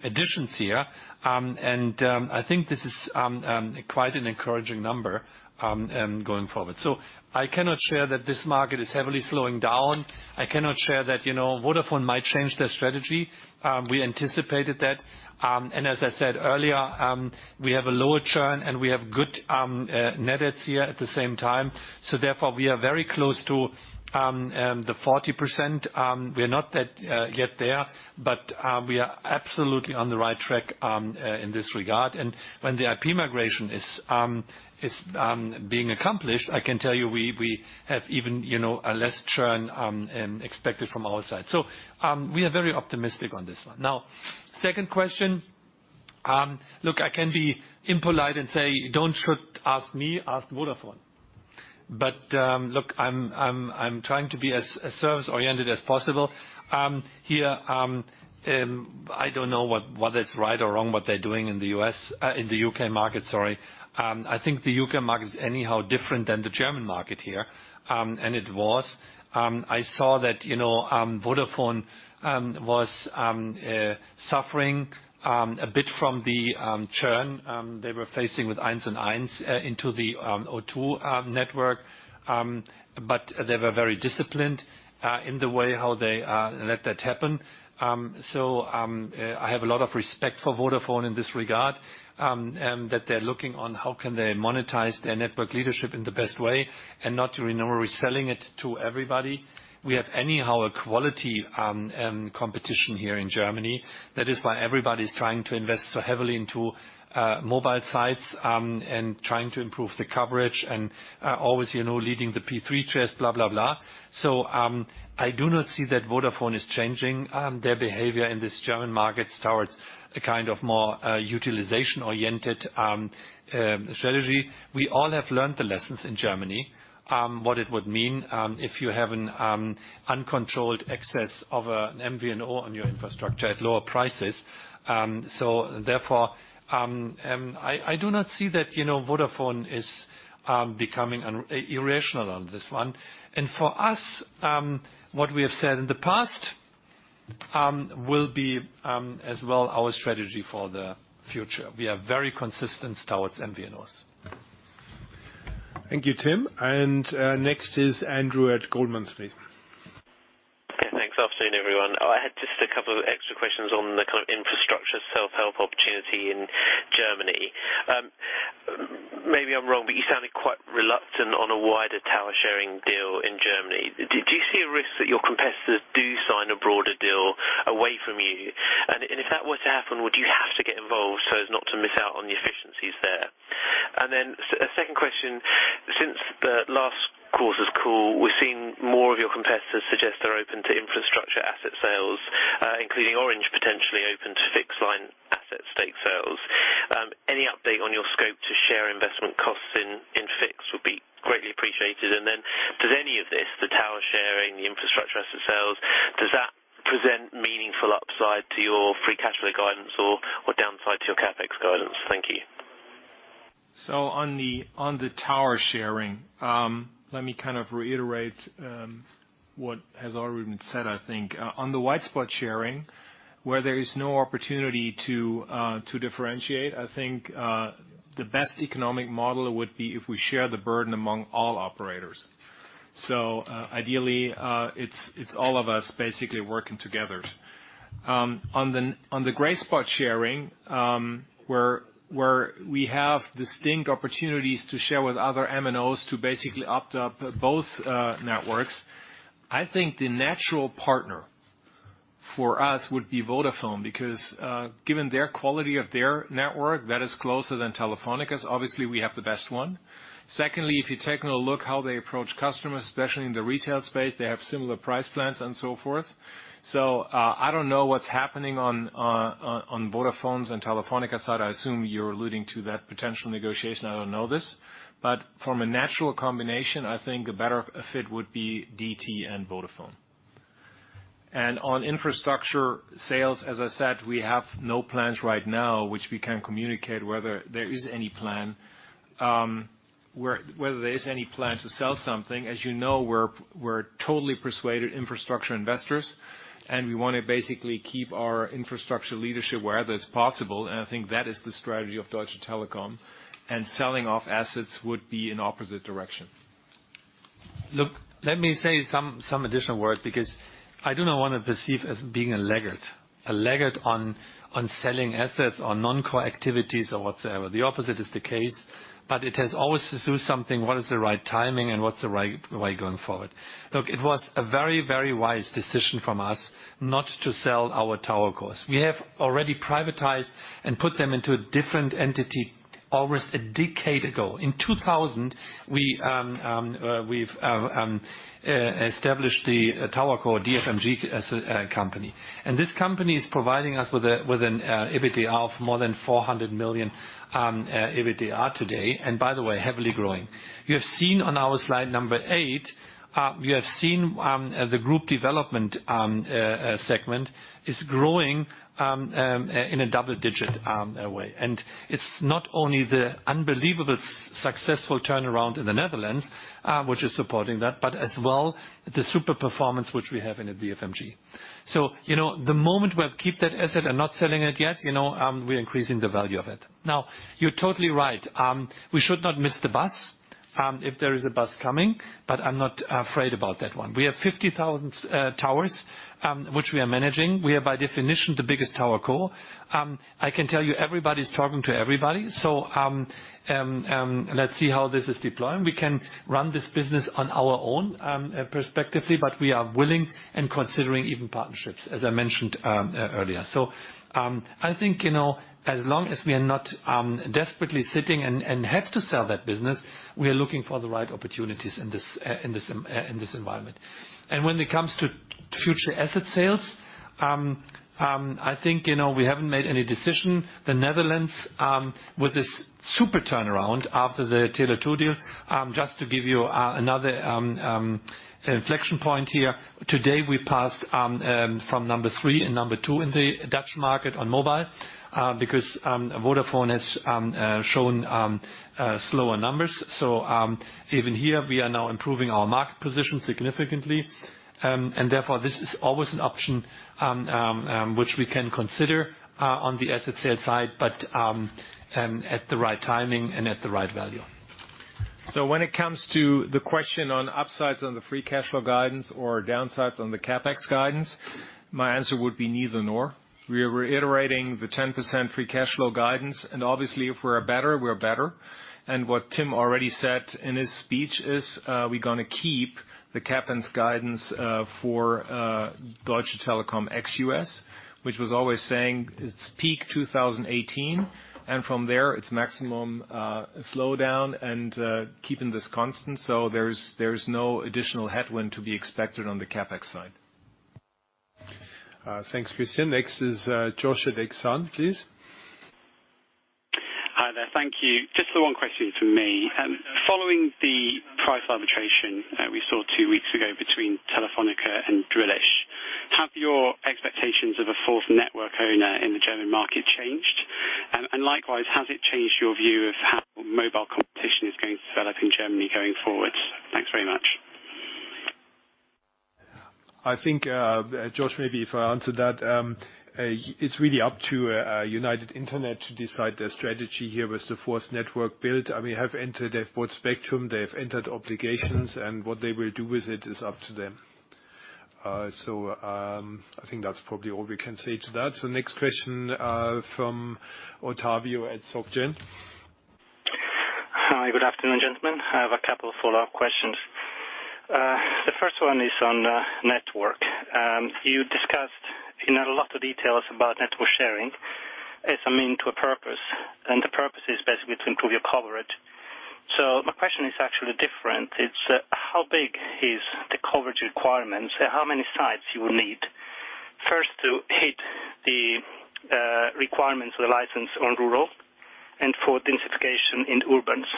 additions here. I think this is quite an encouraging number going forward. I cannot share that this market is heavily slowing down. I cannot share that Vodafone might change their strategy. We anticipated that. As I said earlier, we have a lower churn and we have good net adds here at the same time. Therefore, we are very close to the 40%. We are not yet there, but we are absolutely on the right track in this regard. When the IP migration is being accomplished, I can tell you we have even a less churn expected from our side. We are very optimistic on this one. Now, second question. Look, I can be impolite and say, "You don't should ask me, ask Vodafone." Look, I'm trying to be as service-oriented as possible here. I don't know whether it's right or wrong, what they're doing in the U.K. market. I think the U.K. market is anyhow different than the German market here. It was. I saw that Vodafone was suffering a bit from the churn they were facing with 1&1 into the O2 network. They were very disciplined in the way how they let that happen. I have a lot of respect for Vodafone in this regard, that they're looking on how can they monetize their network leadership in the best way and not selling it to everybody. We have anyhow a quality competition here in Germany. That is why everybody's trying to invest so heavily into mobile sites, and trying to improve the coverage and always leading the P3 test. I do not see that Vodafone is changing their behavior in this German market towards a more utilization-oriented strategy. We all have learned the lessons in Germany, what it would mean if you have an uncontrolled access of an MVNO on your infrastructure at lower prices. Therefore, I do not see that Vodafone is becoming irrational on this one. For us, what we have said in the past will be as well our strategy for the future. We are very consistent towards MVNOs. Thank you, Tim. Next is Andrew at Goldman, please. Okay, thanks. Afternoon, everyone. I had just a couple of extra questions on the infrastructure self-help opportunity in Germany. Maybe I'm wrong, but you sounded quite reluctant on a wider tower sharing deal in Germany. Do you see a risk that your competitors do sign a broader deal away from you? If that were to happen, would you have to get involved so as not to miss out on the efficiencies there? A second question. Since the last quarter's call, we've seen more of your competitors suggest they're open to infrastructure asset sales, including Orange potentially open to fixed line asset stake sales. Any update on your scope to share investment costs in fixed would be greatly appreciated. Does any of this, the tower sharing, the infrastructure asset sales, does that present meaningful upside to your free cash flow guidance or downside to your CapEx guidance? Thank you. On the tower sharing, let me reiterate what has already been said, I think. On the white spot sharing, where there is no opportunity to differentiate, I think, the best economic model would be if we share the burden among all operators. Ideally, it's all of us basically working together. On the gray spot sharing, where we have distinct opportunities to share with other MNOs to basically opt up both networks, I think the natural partner for us would be Vodafone because given their quality of their network, that is closer than Telefónica's. Obviously, we have the best one. Secondly, if you take a look how they approach customers, especially in the retail space, they have similar price plans and so forth. I don't know what's happening on Vodafone's and Telefónica's side. I assume you're alluding to that potential negotiation. I don't know this. From a natural combination, I think a better fit would be DT and Vodafone. On infrastructure sales, as I said, we have no plans right now which we can communicate whether there is any plan to sell something. As you know, we're totally persuaded infrastructure investors, and we want to basically keep our infrastructure leadership wherever it's possible. I think that is the strategy of Deutsche Telekom. Selling off assets would be an opposite direction. Look, let me say some additional words, because I do not want to perceive as being a laggard. A laggard on selling assets on non-core activities or whatsoever. The opposite is the case, it has always to do something, what is the right timing and what's the right way going forward. Look, it was a very, very wise decision from us not to sell our Towercos. We have already privatized and put them into a different entity almost a decade ago. In 2000, we've established the Towerco, DFMG, as a company. This company is providing us with an EBITDA of more than 400 million EBITDA today. By the way, heavily growing. You have seen on our slide number eight, you have seen the group development segment is growing in a double-digit way. It's not only the unbelievable successful turnaround in the Netherlands, which is supporting that, but as well, the super performance which we have in the DFMG. The moment we keep that asset and not selling it yet, we're increasing the value of it. You're totally right. We should not miss the bus, if there is a bus coming, but I'm not afraid about that one. We have 50,000 towers, which we are managing. We are by definition, the biggest towerco. I can tell you everybody's talking to everybody. Let's see how this is deploying. We can run this business on our own, perspectively, but we are willing and considering even partnerships, as I mentioned earlier. I think, as long as we are not desperately sitting and have to sell that business, we are looking for the right opportunities in this environment. When it comes to future asset sales, I think, we haven't made any decision. The Netherlands, with this super turnaround after the Tele2 deal, just to give you another inflection point here. Today, we passed from number three and number two in the Dutch market on mobile, because Vodafone has shown slower numbers. Even here, we are now improving our market position significantly. Therefore, this is always an option which we can consider on the asset sell-side, but at the right timing and at the right value. When it comes to the question on upsides on the free cash flow guidance or downsides on the CapEx guidance, my answer would be neither nor. We are reiterating the 10% free cash flow guidance. Obviously, if we're better, we're better. What Tim already said in his speech is, we're going to keep the CapEx guidance for Deutsche Telekom ex-U.S., which was always saying it's peak 2018. From there, it's maximum slowdown and keeping this constant. There's no additional headwind to be expected on the CapEx side. Thanks, Christian. Next is Josh at Exane, please. Hi there. Thank you. Just the one question from me. Following the price arbitration that we saw two weeks ago between Telefónica and Drillisch, have your expectations of a fourth network owner in the German market changed? Likewise, has it changed your view of how mobile competition is going to develop in Germany going forward? Thanks very much. I think, Josh, maybe if I answer that. It's really up to United Internet to decide their strategy here with the fourth network build. They have entered, they've bought spectrum, they've entered obligations, and what they will do with it is up to them. I think that's probably all we can say to that. Next question, from Ottavio at SocGen. Hi, good afternoon, gentlemen. I have a couple follow-up questions. The first one is on network. You discussed in a lot of details about network sharing as a means to a purpose. The purpose is basically to improve your coverage. My question is actually different. It's how big is the coverage requirements? How many sites you will need, first to hit the requirements of the license on rural and for densification in urbans?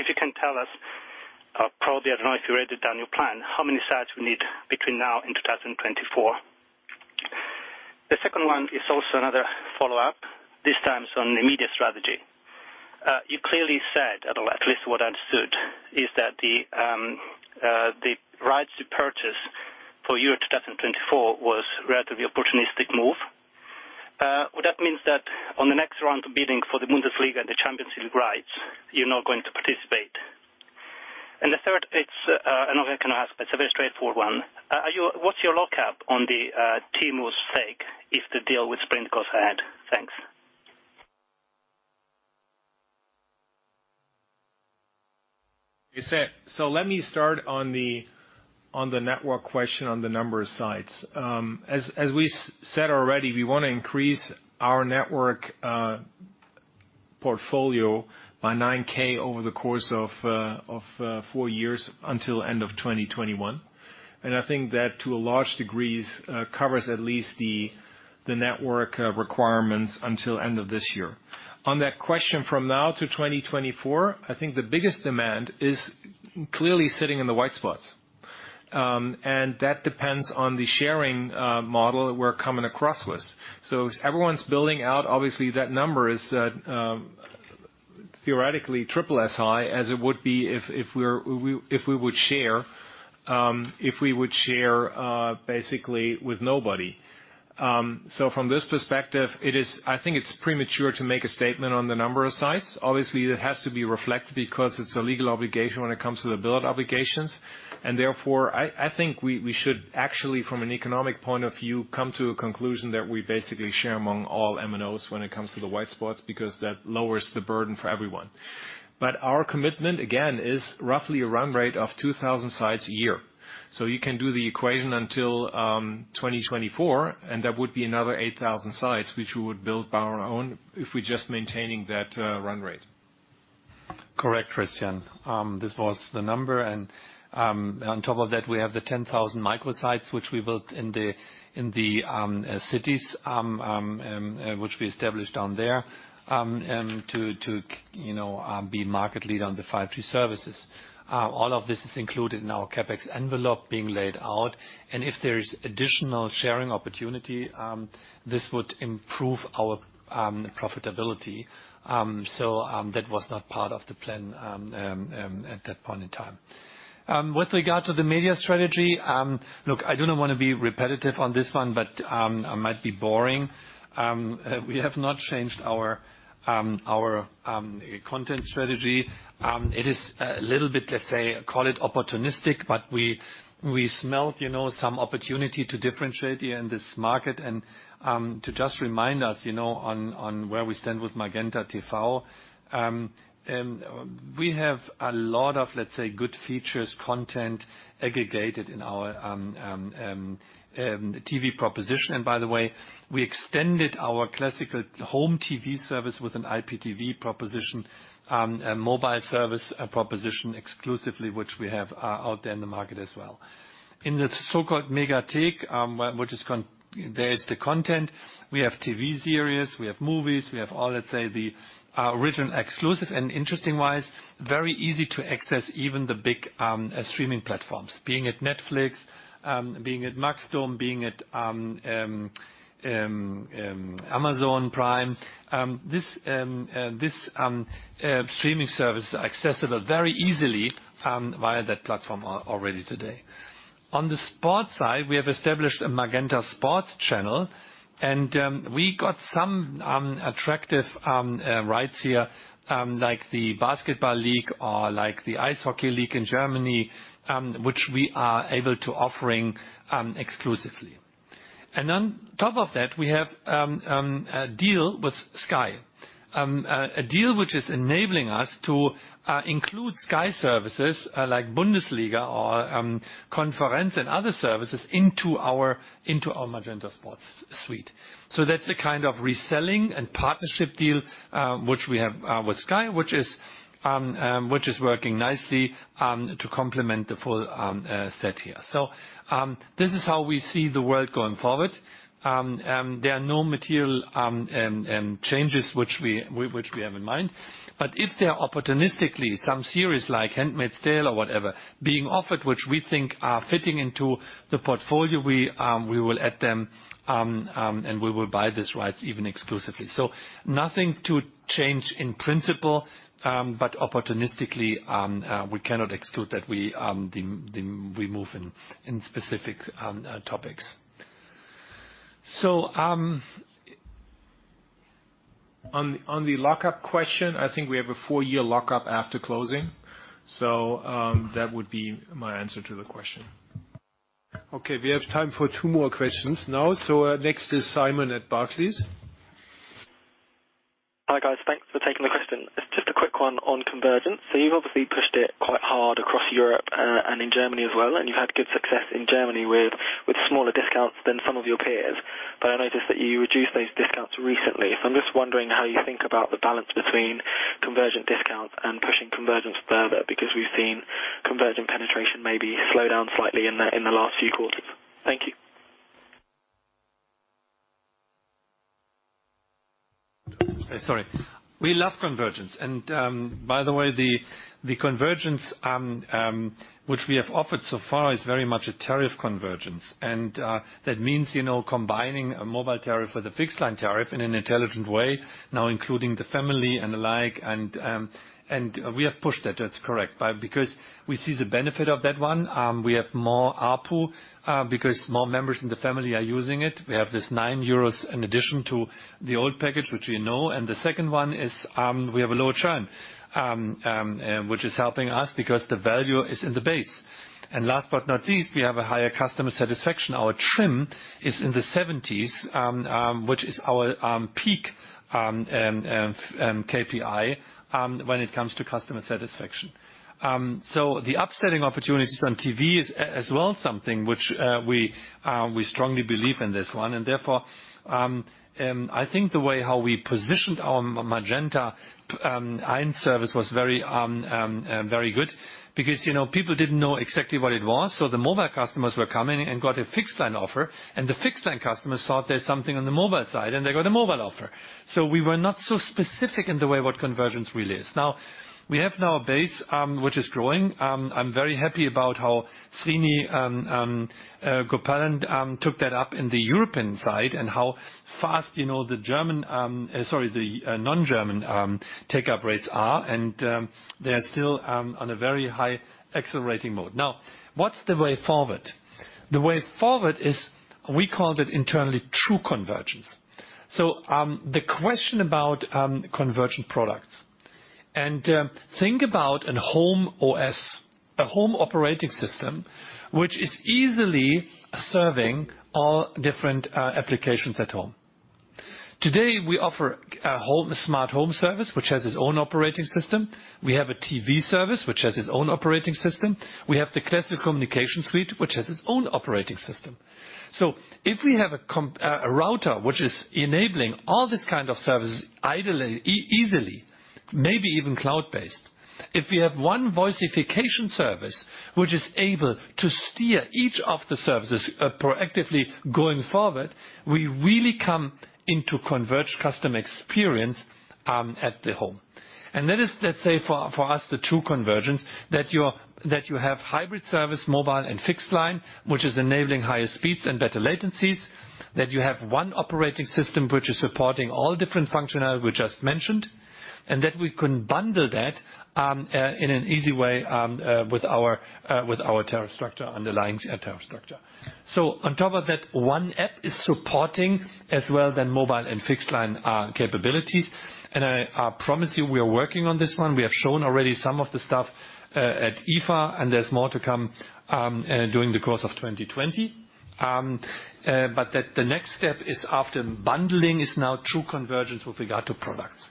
If you can tell us, probably, I don't know if you wrote it down your plan, how many sites we need between now and 2024? The second one is also another follow-up, this time it's on the media strategy. You clearly said, at least what I understood, is that the right to purchase for year 2024 was relatively opportunistic move. Would that means that on the next round of bidding for the Bundesliga and the Champions League rights, you're not going to participate? The third, it's another I can ask, but it's a very straightforward one. What's your lockup on the T-Mobile stake if the deal with Sprint goes ahead? Thanks. Let me start on the network question on the number of sites. As we said already, we want to increase our network portfolio by 9,000 over the course of four years until end of 2021. I think that to a large degree covers at least the network requirements until end of this year. On that question from now to 2024, I think the biggest demand is clearly sitting in the white spots. That depends on the sharing model we're coming across with. Everyone's building out. Obviously, that number is theoretically triple as high as it would be if we would share, basically with nobody. From this perspective, I think it's premature to make a statement on the number of sites. Obviously, it has to be reflected because it's a legal obligation when it comes to the build obligations. Therefore, I think we should actually, from an economic point of view, come to a conclusion that we basically share among all MNOs when it comes to the white spots, because that lowers the burden for everyone. Our commitment, again, is roughly a run rate of 2,000 sites a year. You can do the equation until 2024, and that would be another 8,000 sites, which we would build by our own, if we're just maintaining that run rate. Correct, Christian. This was the number. On top of that, we have the 10,000 microsites which we built in the cities, which we established down there, and to be market leader on the 5G services. All of this is included in our CapEx envelope being laid out. If there is additional sharing opportunity, this would improve our profitability. That was not part of the plan at that point in time. With regard to the media strategy, look, I do not want to be repetitive on this one, but I might be boring. We have not changed our content strategy. It is a little bit, let's say, call it opportunistic, but we smelt some opportunity to differentiate here in this market. To just remind us on where we stand with MagentaTV. We have a lot of, let's say, good features, content aggregated in our TV proposition. By the way, we extended our classical home TV service with an IPTV proposition, a mobile service proposition exclusively, which we have out there in the market as well. In the so-called Megathek, there is the content. We have TV series, we have movies, we have all, let's say, the original, exclusive and interesting-wise, very easy to access, even the big streaming platforms, being it Netflix, being it Maxdome, being it Amazon Prime. These streaming services are accessible very easily via that platform already today. On the sport side, we have established a MagentaSport channel, and we got some attractive rights here, like the basketball league or like the ice hockey league in Germany, which we are able to offering exclusively. On top of that, we have a deal with Sky. A deal which is enabling us to include Sky services like Bundesliga or Champions League and other services into our MagentaSport suite. That's a kind of reselling and partnership deal, which we have with Sky, which is working nicely to complement the full set here. This is how we see the world going forward. There are no material changes which we have in mind. If there are opportunistically some series like "Handmaid's Tale" or whatever being offered, which we think are fitting into the portfolio, we will add them, and we will buy these rights even exclusively. Nothing to change in principle, but opportunistically, we cannot exclude that we move in specific topics. On the lockup question, I think we have a four-year lockup after closing. That would be my answer to the question. Okay, we have time for two more questions now. Next is Simon at Barclays. Hi, guys. Thanks for taking the question. Just a quick one on convergence. You've obviously pushed it quite hard across Europe and in Germany as well, and you've had good success in Germany with smaller discounts than some of your peers. I noticed that you reduced those discounts recently. I'm just wondering how you think about the balance between convergent discounts and pushing convergence further, because we've seen convergent penetration maybe slow down slightly in the last few quarters. Thank you. Sorry. We love convergence. By the way, the convergence, which we have offered so far is very much a tariff convergence. That means combining a mobile tariff with a fixed line tariff in an intelligent way now including the family and the like. We have pushed that. That's correct. Because we see the benefit of that one. We have more ARPU because more members in the family are using it. We have this 9 euros in addition to the old package, which we know. The second one is, we have a lower churn, which is helping us because the value is in the base. Last but not least, we have a higher customer satisfaction. Our TRI*M is in the 70s, which is our peak KPI when it comes to customer satisfaction. The upselling opportunities on TV is as well something which we strongly believe in this one. Therefore, I think the way how we positioned our MagentaZuhause service was very good because people didn't know exactly what it was. The mobile customers were coming and got a fixed line offer, and the fixed line customers thought there's something on the mobile side, and they got a mobile offer. We were not so specific in the way what convergence really is. We have now a base, which is growing. I'm very happy about how Srini Gopalan took that up in the European side and how fast the non-German take-up rates are, and they're still on a very high accelerating mode. What's the way forward? The way forward is, we called it internally true convergence. The question about convergent products. Think about a home OS, a home operating system, which is easily serving all different applications at home. Today, we offer a smart home service, which has its own operating system. We have a TV service, which has its own operating system. We have the classic communication suite, which has its own operating system. If we have a router, which is enabling all this kind of services easily, maybe even cloud-based. If we have one voicification service, which is able to steer each of the services proactively going forward, we really come into converged customer experience at the home. That is, let's say for us, the true convergence, that you have hybrid service, mobile and fixed line, which is enabling higher speeds and better latencies. That you have one operating system which is supporting all different functionality we just mentioned. That we can bundle that in an easy way with our underlying tariff structure. On top of that, one app is supporting as well the mobile and fixed line capabilities. I promise you, we are working on this one. We have shown already some of the stuff at IFA, and there's more to come, during the course of 2020. The next step is after bundling is now true convergence with regard to products.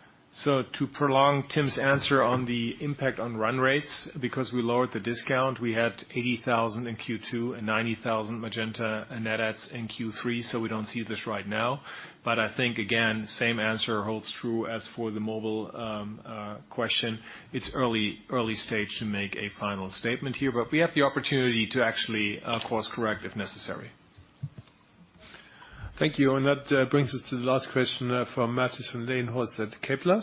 To prolong Tim's answer on the impact on run rates, because we lowered the discount, we had 80,000 in Q2 and 90,000 Magenta net adds in Q3, so we don't see this right now. I think, again, same answer holds true as for the mobile question. It's early stage to make a final statement here. We have the opportunity to actually course correct if necessary. Thank you. That brings us to the last question from Matthijs van Leijenhorst at Kepler.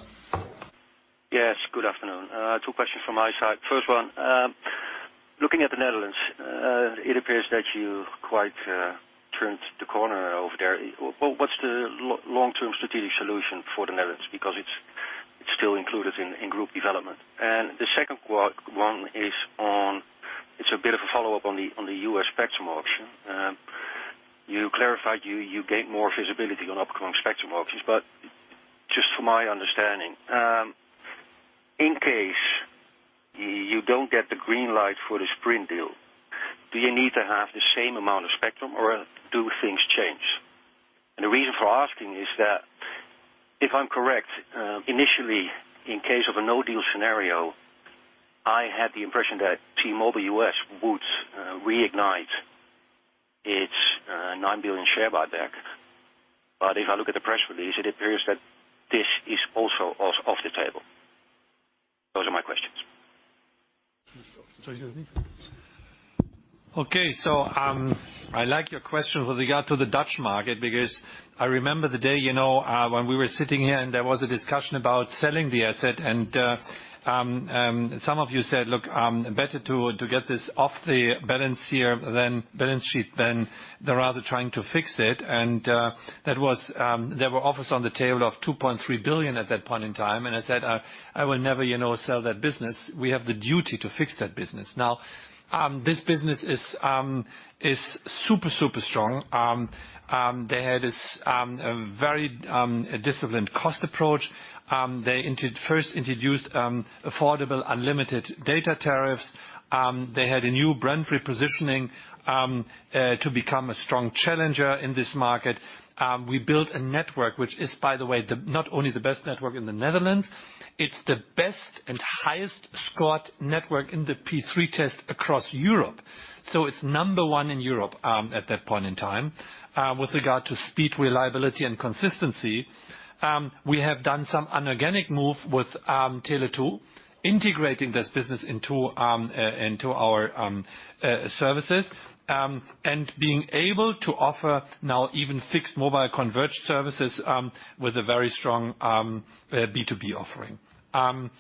Yes, good afternoon. Two questions from my side. First one, looking at the Netherlands, it appears that you quite turned the corner over there. What's the long-term strategic solution for the Netherlands? Because it's still included in group development. The second one is a bit of a follow-up on the U.S. spectrum auction. You clarified you gained more visibility on upcoming spectrum auctions, but just for my understanding, in case you don't get the green light for the Sprint deal, do you need to have the same amount of spectrum or do things change? The reason for asking is that, if I'm correct, initially, in case of a no-deal scenario, I had the impression that T-Mobile U.S. would reignite its $9 billion share buyback. If I look at the press release, it appears that this is also off the table. Those are my questions. I like your question with regard to the Dutch market, because I remember the day when we were sitting here, and there was a discussion about selling the asset. Some of you said, "Look, better to get this off the balance sheet than rather trying to fix it." There were offers on the table of 2.3 billion at that point in time, and I said, "I will never sell that business. We have the duty to fix that business." This business is super strong. They had this very disciplined cost approach. They first introduced affordable, unlimited data tariffs. They had a new brand repositioning to become a strong challenger in this market. We built a network, which is, by the way, not only the best network in the Netherlands, it's the best and highest scored network in the P3 test across Europe. It's number one in Europe at that point in time with regard to speed, reliability, and consistency. We have done some inorganic move with Tele2, integrating this business into our services. Being able to offer now even fixed mobile converged services with a very strong B2B offering. On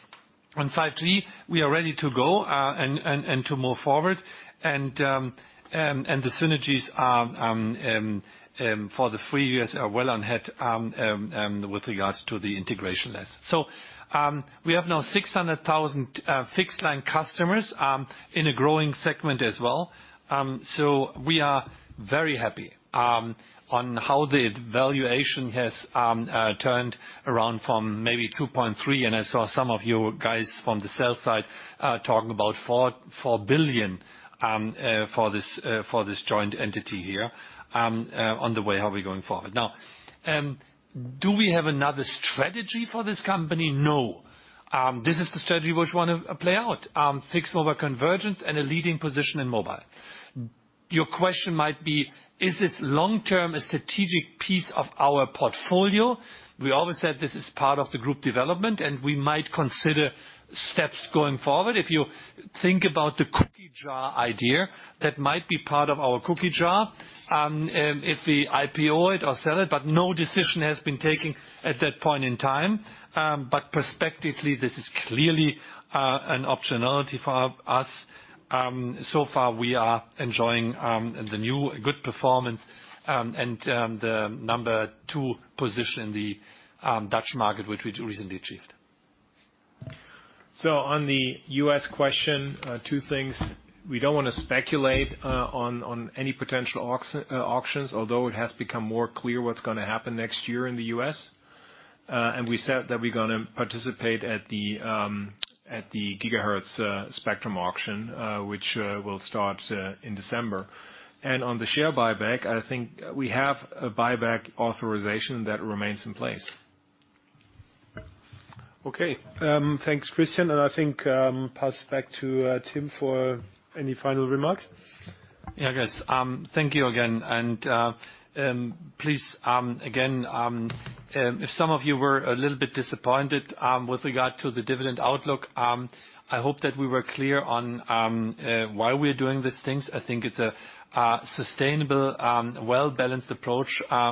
5G, we are ready to go and to move forward, the synergies for the three years are well ahead with regards to the integration there. We have now 600,000 fixed line customers in a growing segment as well. We are very happy on how the valuation has turned around from maybe 2.3 billion, I saw some of you guys from the sell side side talking about 4 billion for this joint entity here on the way how we're going forward. Do we have another strategy for this company? No. This is the strategy which we want to play out. Fixed mobile convergence and a leading position in mobile. Your question might be, is this long-term a strategic piece of our portfolio? We always said this is part of the group development, and we might consider steps going forward. If you think about the cookie jar idea. That might be part of our cookie jar, if we IPO it or sell it, but no decision has been taken at that point in time. Prospectively, this is clearly an optionality for us. So far, we are enjoying the new good performance and the number two position in the Dutch market, which we recently achieved. On the U.S. question, two things. We don't want to speculate on any potential auctions, although it has become more clear what's going to happen next year in the U.S. We said that we're going to participate at the gigahertz spectrum auction, which will start in December. On the share buyback, I think we have a buyback authorization that remains in place. Okay. Thanks, Christian, and I think pass back to Tim for any final remarks. Yeah, I guess. Thank you again, and please, again, if some of you were a little bit disappointed with regard to the dividend outlook, I hope that we were clear on why we're doing these things. I think it's a sustainable, well-balanced approach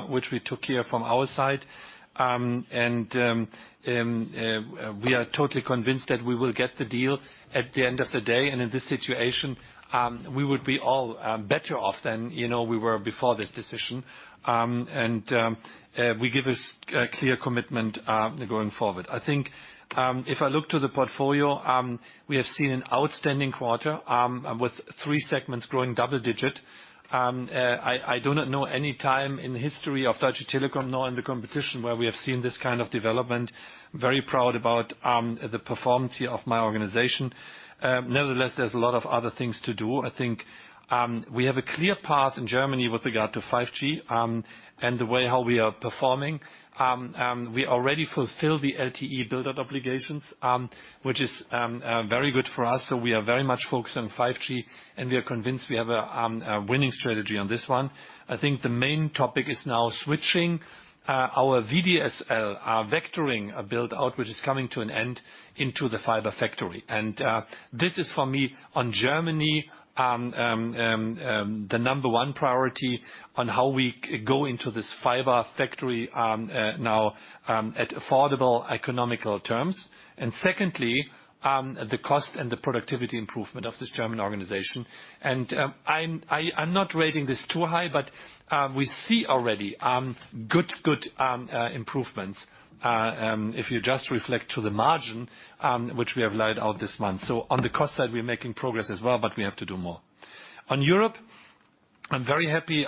which we took here from our side. We are totally convinced that we will get the deal at the end of the day. In this situation, we would be all better off than we were before this decision. We give a clear commitment going forward. I think, if I look to the portfolio, we have seen an outstanding quarter, with three segments growing double digit. I do not know any time in the history of Deutsche Telekom, nor in the competition, where we have seen this kind of development. Very proud about the performance here of my organization. Nevertheless, there's a lot of other things to do. I think we have a clear path in Germany with regard to 5G, and the way how we are performing. We already fulfill the LTE buildup obligations, which is very good for us. We are very much focused on 5G, and we are convinced we have a winning strategy on this one. I think the main topic is now switching our VDSL, our vectoring build out, which is coming to an end, into the Fiber Factory. This is for me, on Germany, the number 1 priority on how we go into this Fiber Factory now at affordable economical terms. Secondly, the cost and the productivity improvement of this German organization. I'm not rating this too high, but we see already good improvements, if you just reflect to the margin, which we have laid out this month. On the cost side, we're making progress as well, but we have to do more. On Europe, I'm very happy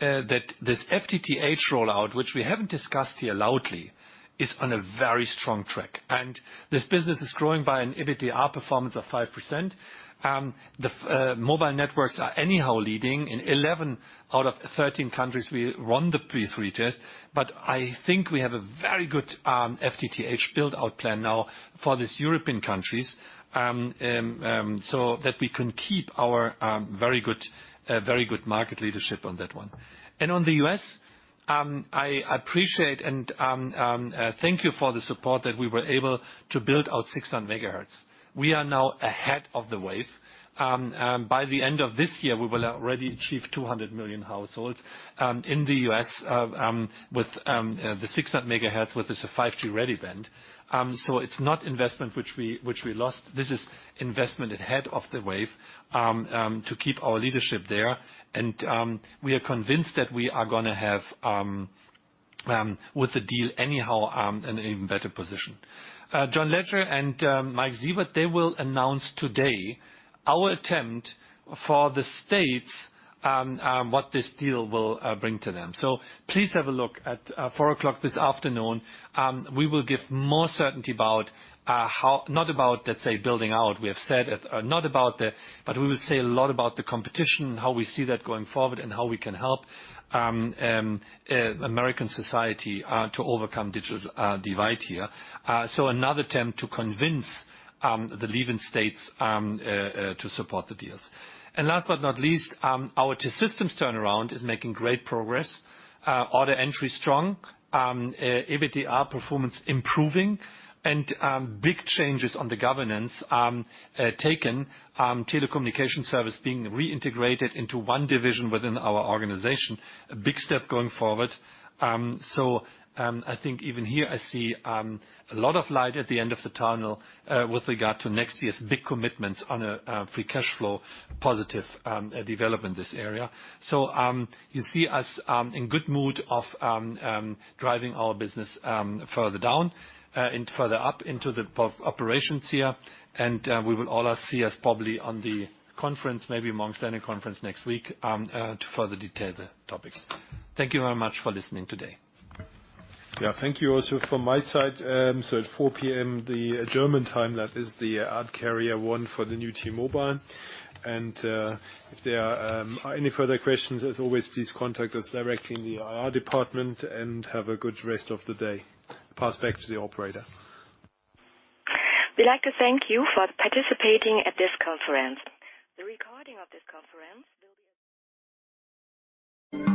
that this FTTH rollout, which we haven't discussed here loudly, is on a very strong track. This business is growing by an EBITDA performance of 5%. The mobile networks are anyhow leading. In 11 out of 13 countries, we won the P3 test. I think we have a very good FTTH build out plan now for these European countries, so that we can keep our very good market leadership on that one. On the U.S., I appreciate and thank you for the support that we were able to build out 600 MHz. We are now ahead of the wave. By the end of this year, we will already achieve 200 million households in the U.S. with the 600 MHz with this 5G ready band. It's not investment which we lost. This is investment ahead of the wave, to keep our leadership there. We are convinced that we are going to have, with the deal anyhow, an even better position. John Legere and Mike Sievert, they will announce today our attempt for the states what this deal will bring to them. Please have a look at 4:00 this afternoon. We will give more certainty, not about, let's say, building out. We will say a lot about the competition, how we see that going forward, and how we can help American society to overcome digital divide here. Another attempt to convince the leaving states to support the deals. Last but not least, our T-Systems turnaround is making great progress. Order entry strong. EBITDA performance improving. Big changes on the governance taken. Telecommunication service being reintegrated into one division within our organization, a big step going forward. I think even here I see a lot of light at the end of the tunnel with regard to next year's big commitments on a free cash flow positive development this area. You see us in good mood of driving our business further up into the operations here. We will all see us probably on the conference, maybe Morgan Stanley conference next week, to further detail the topics. Thank you very much for listening today. Yeah, thank you also from my side. At 4:00 P.M., the German time, that is the Un-carrier one for the new T-Mobile. If there are any further questions, as always, please contact us directly in the IR department and have a good rest of the day. Pass back to the operator. We'd like to thank you for participating in this conference. The recording of this conference will be.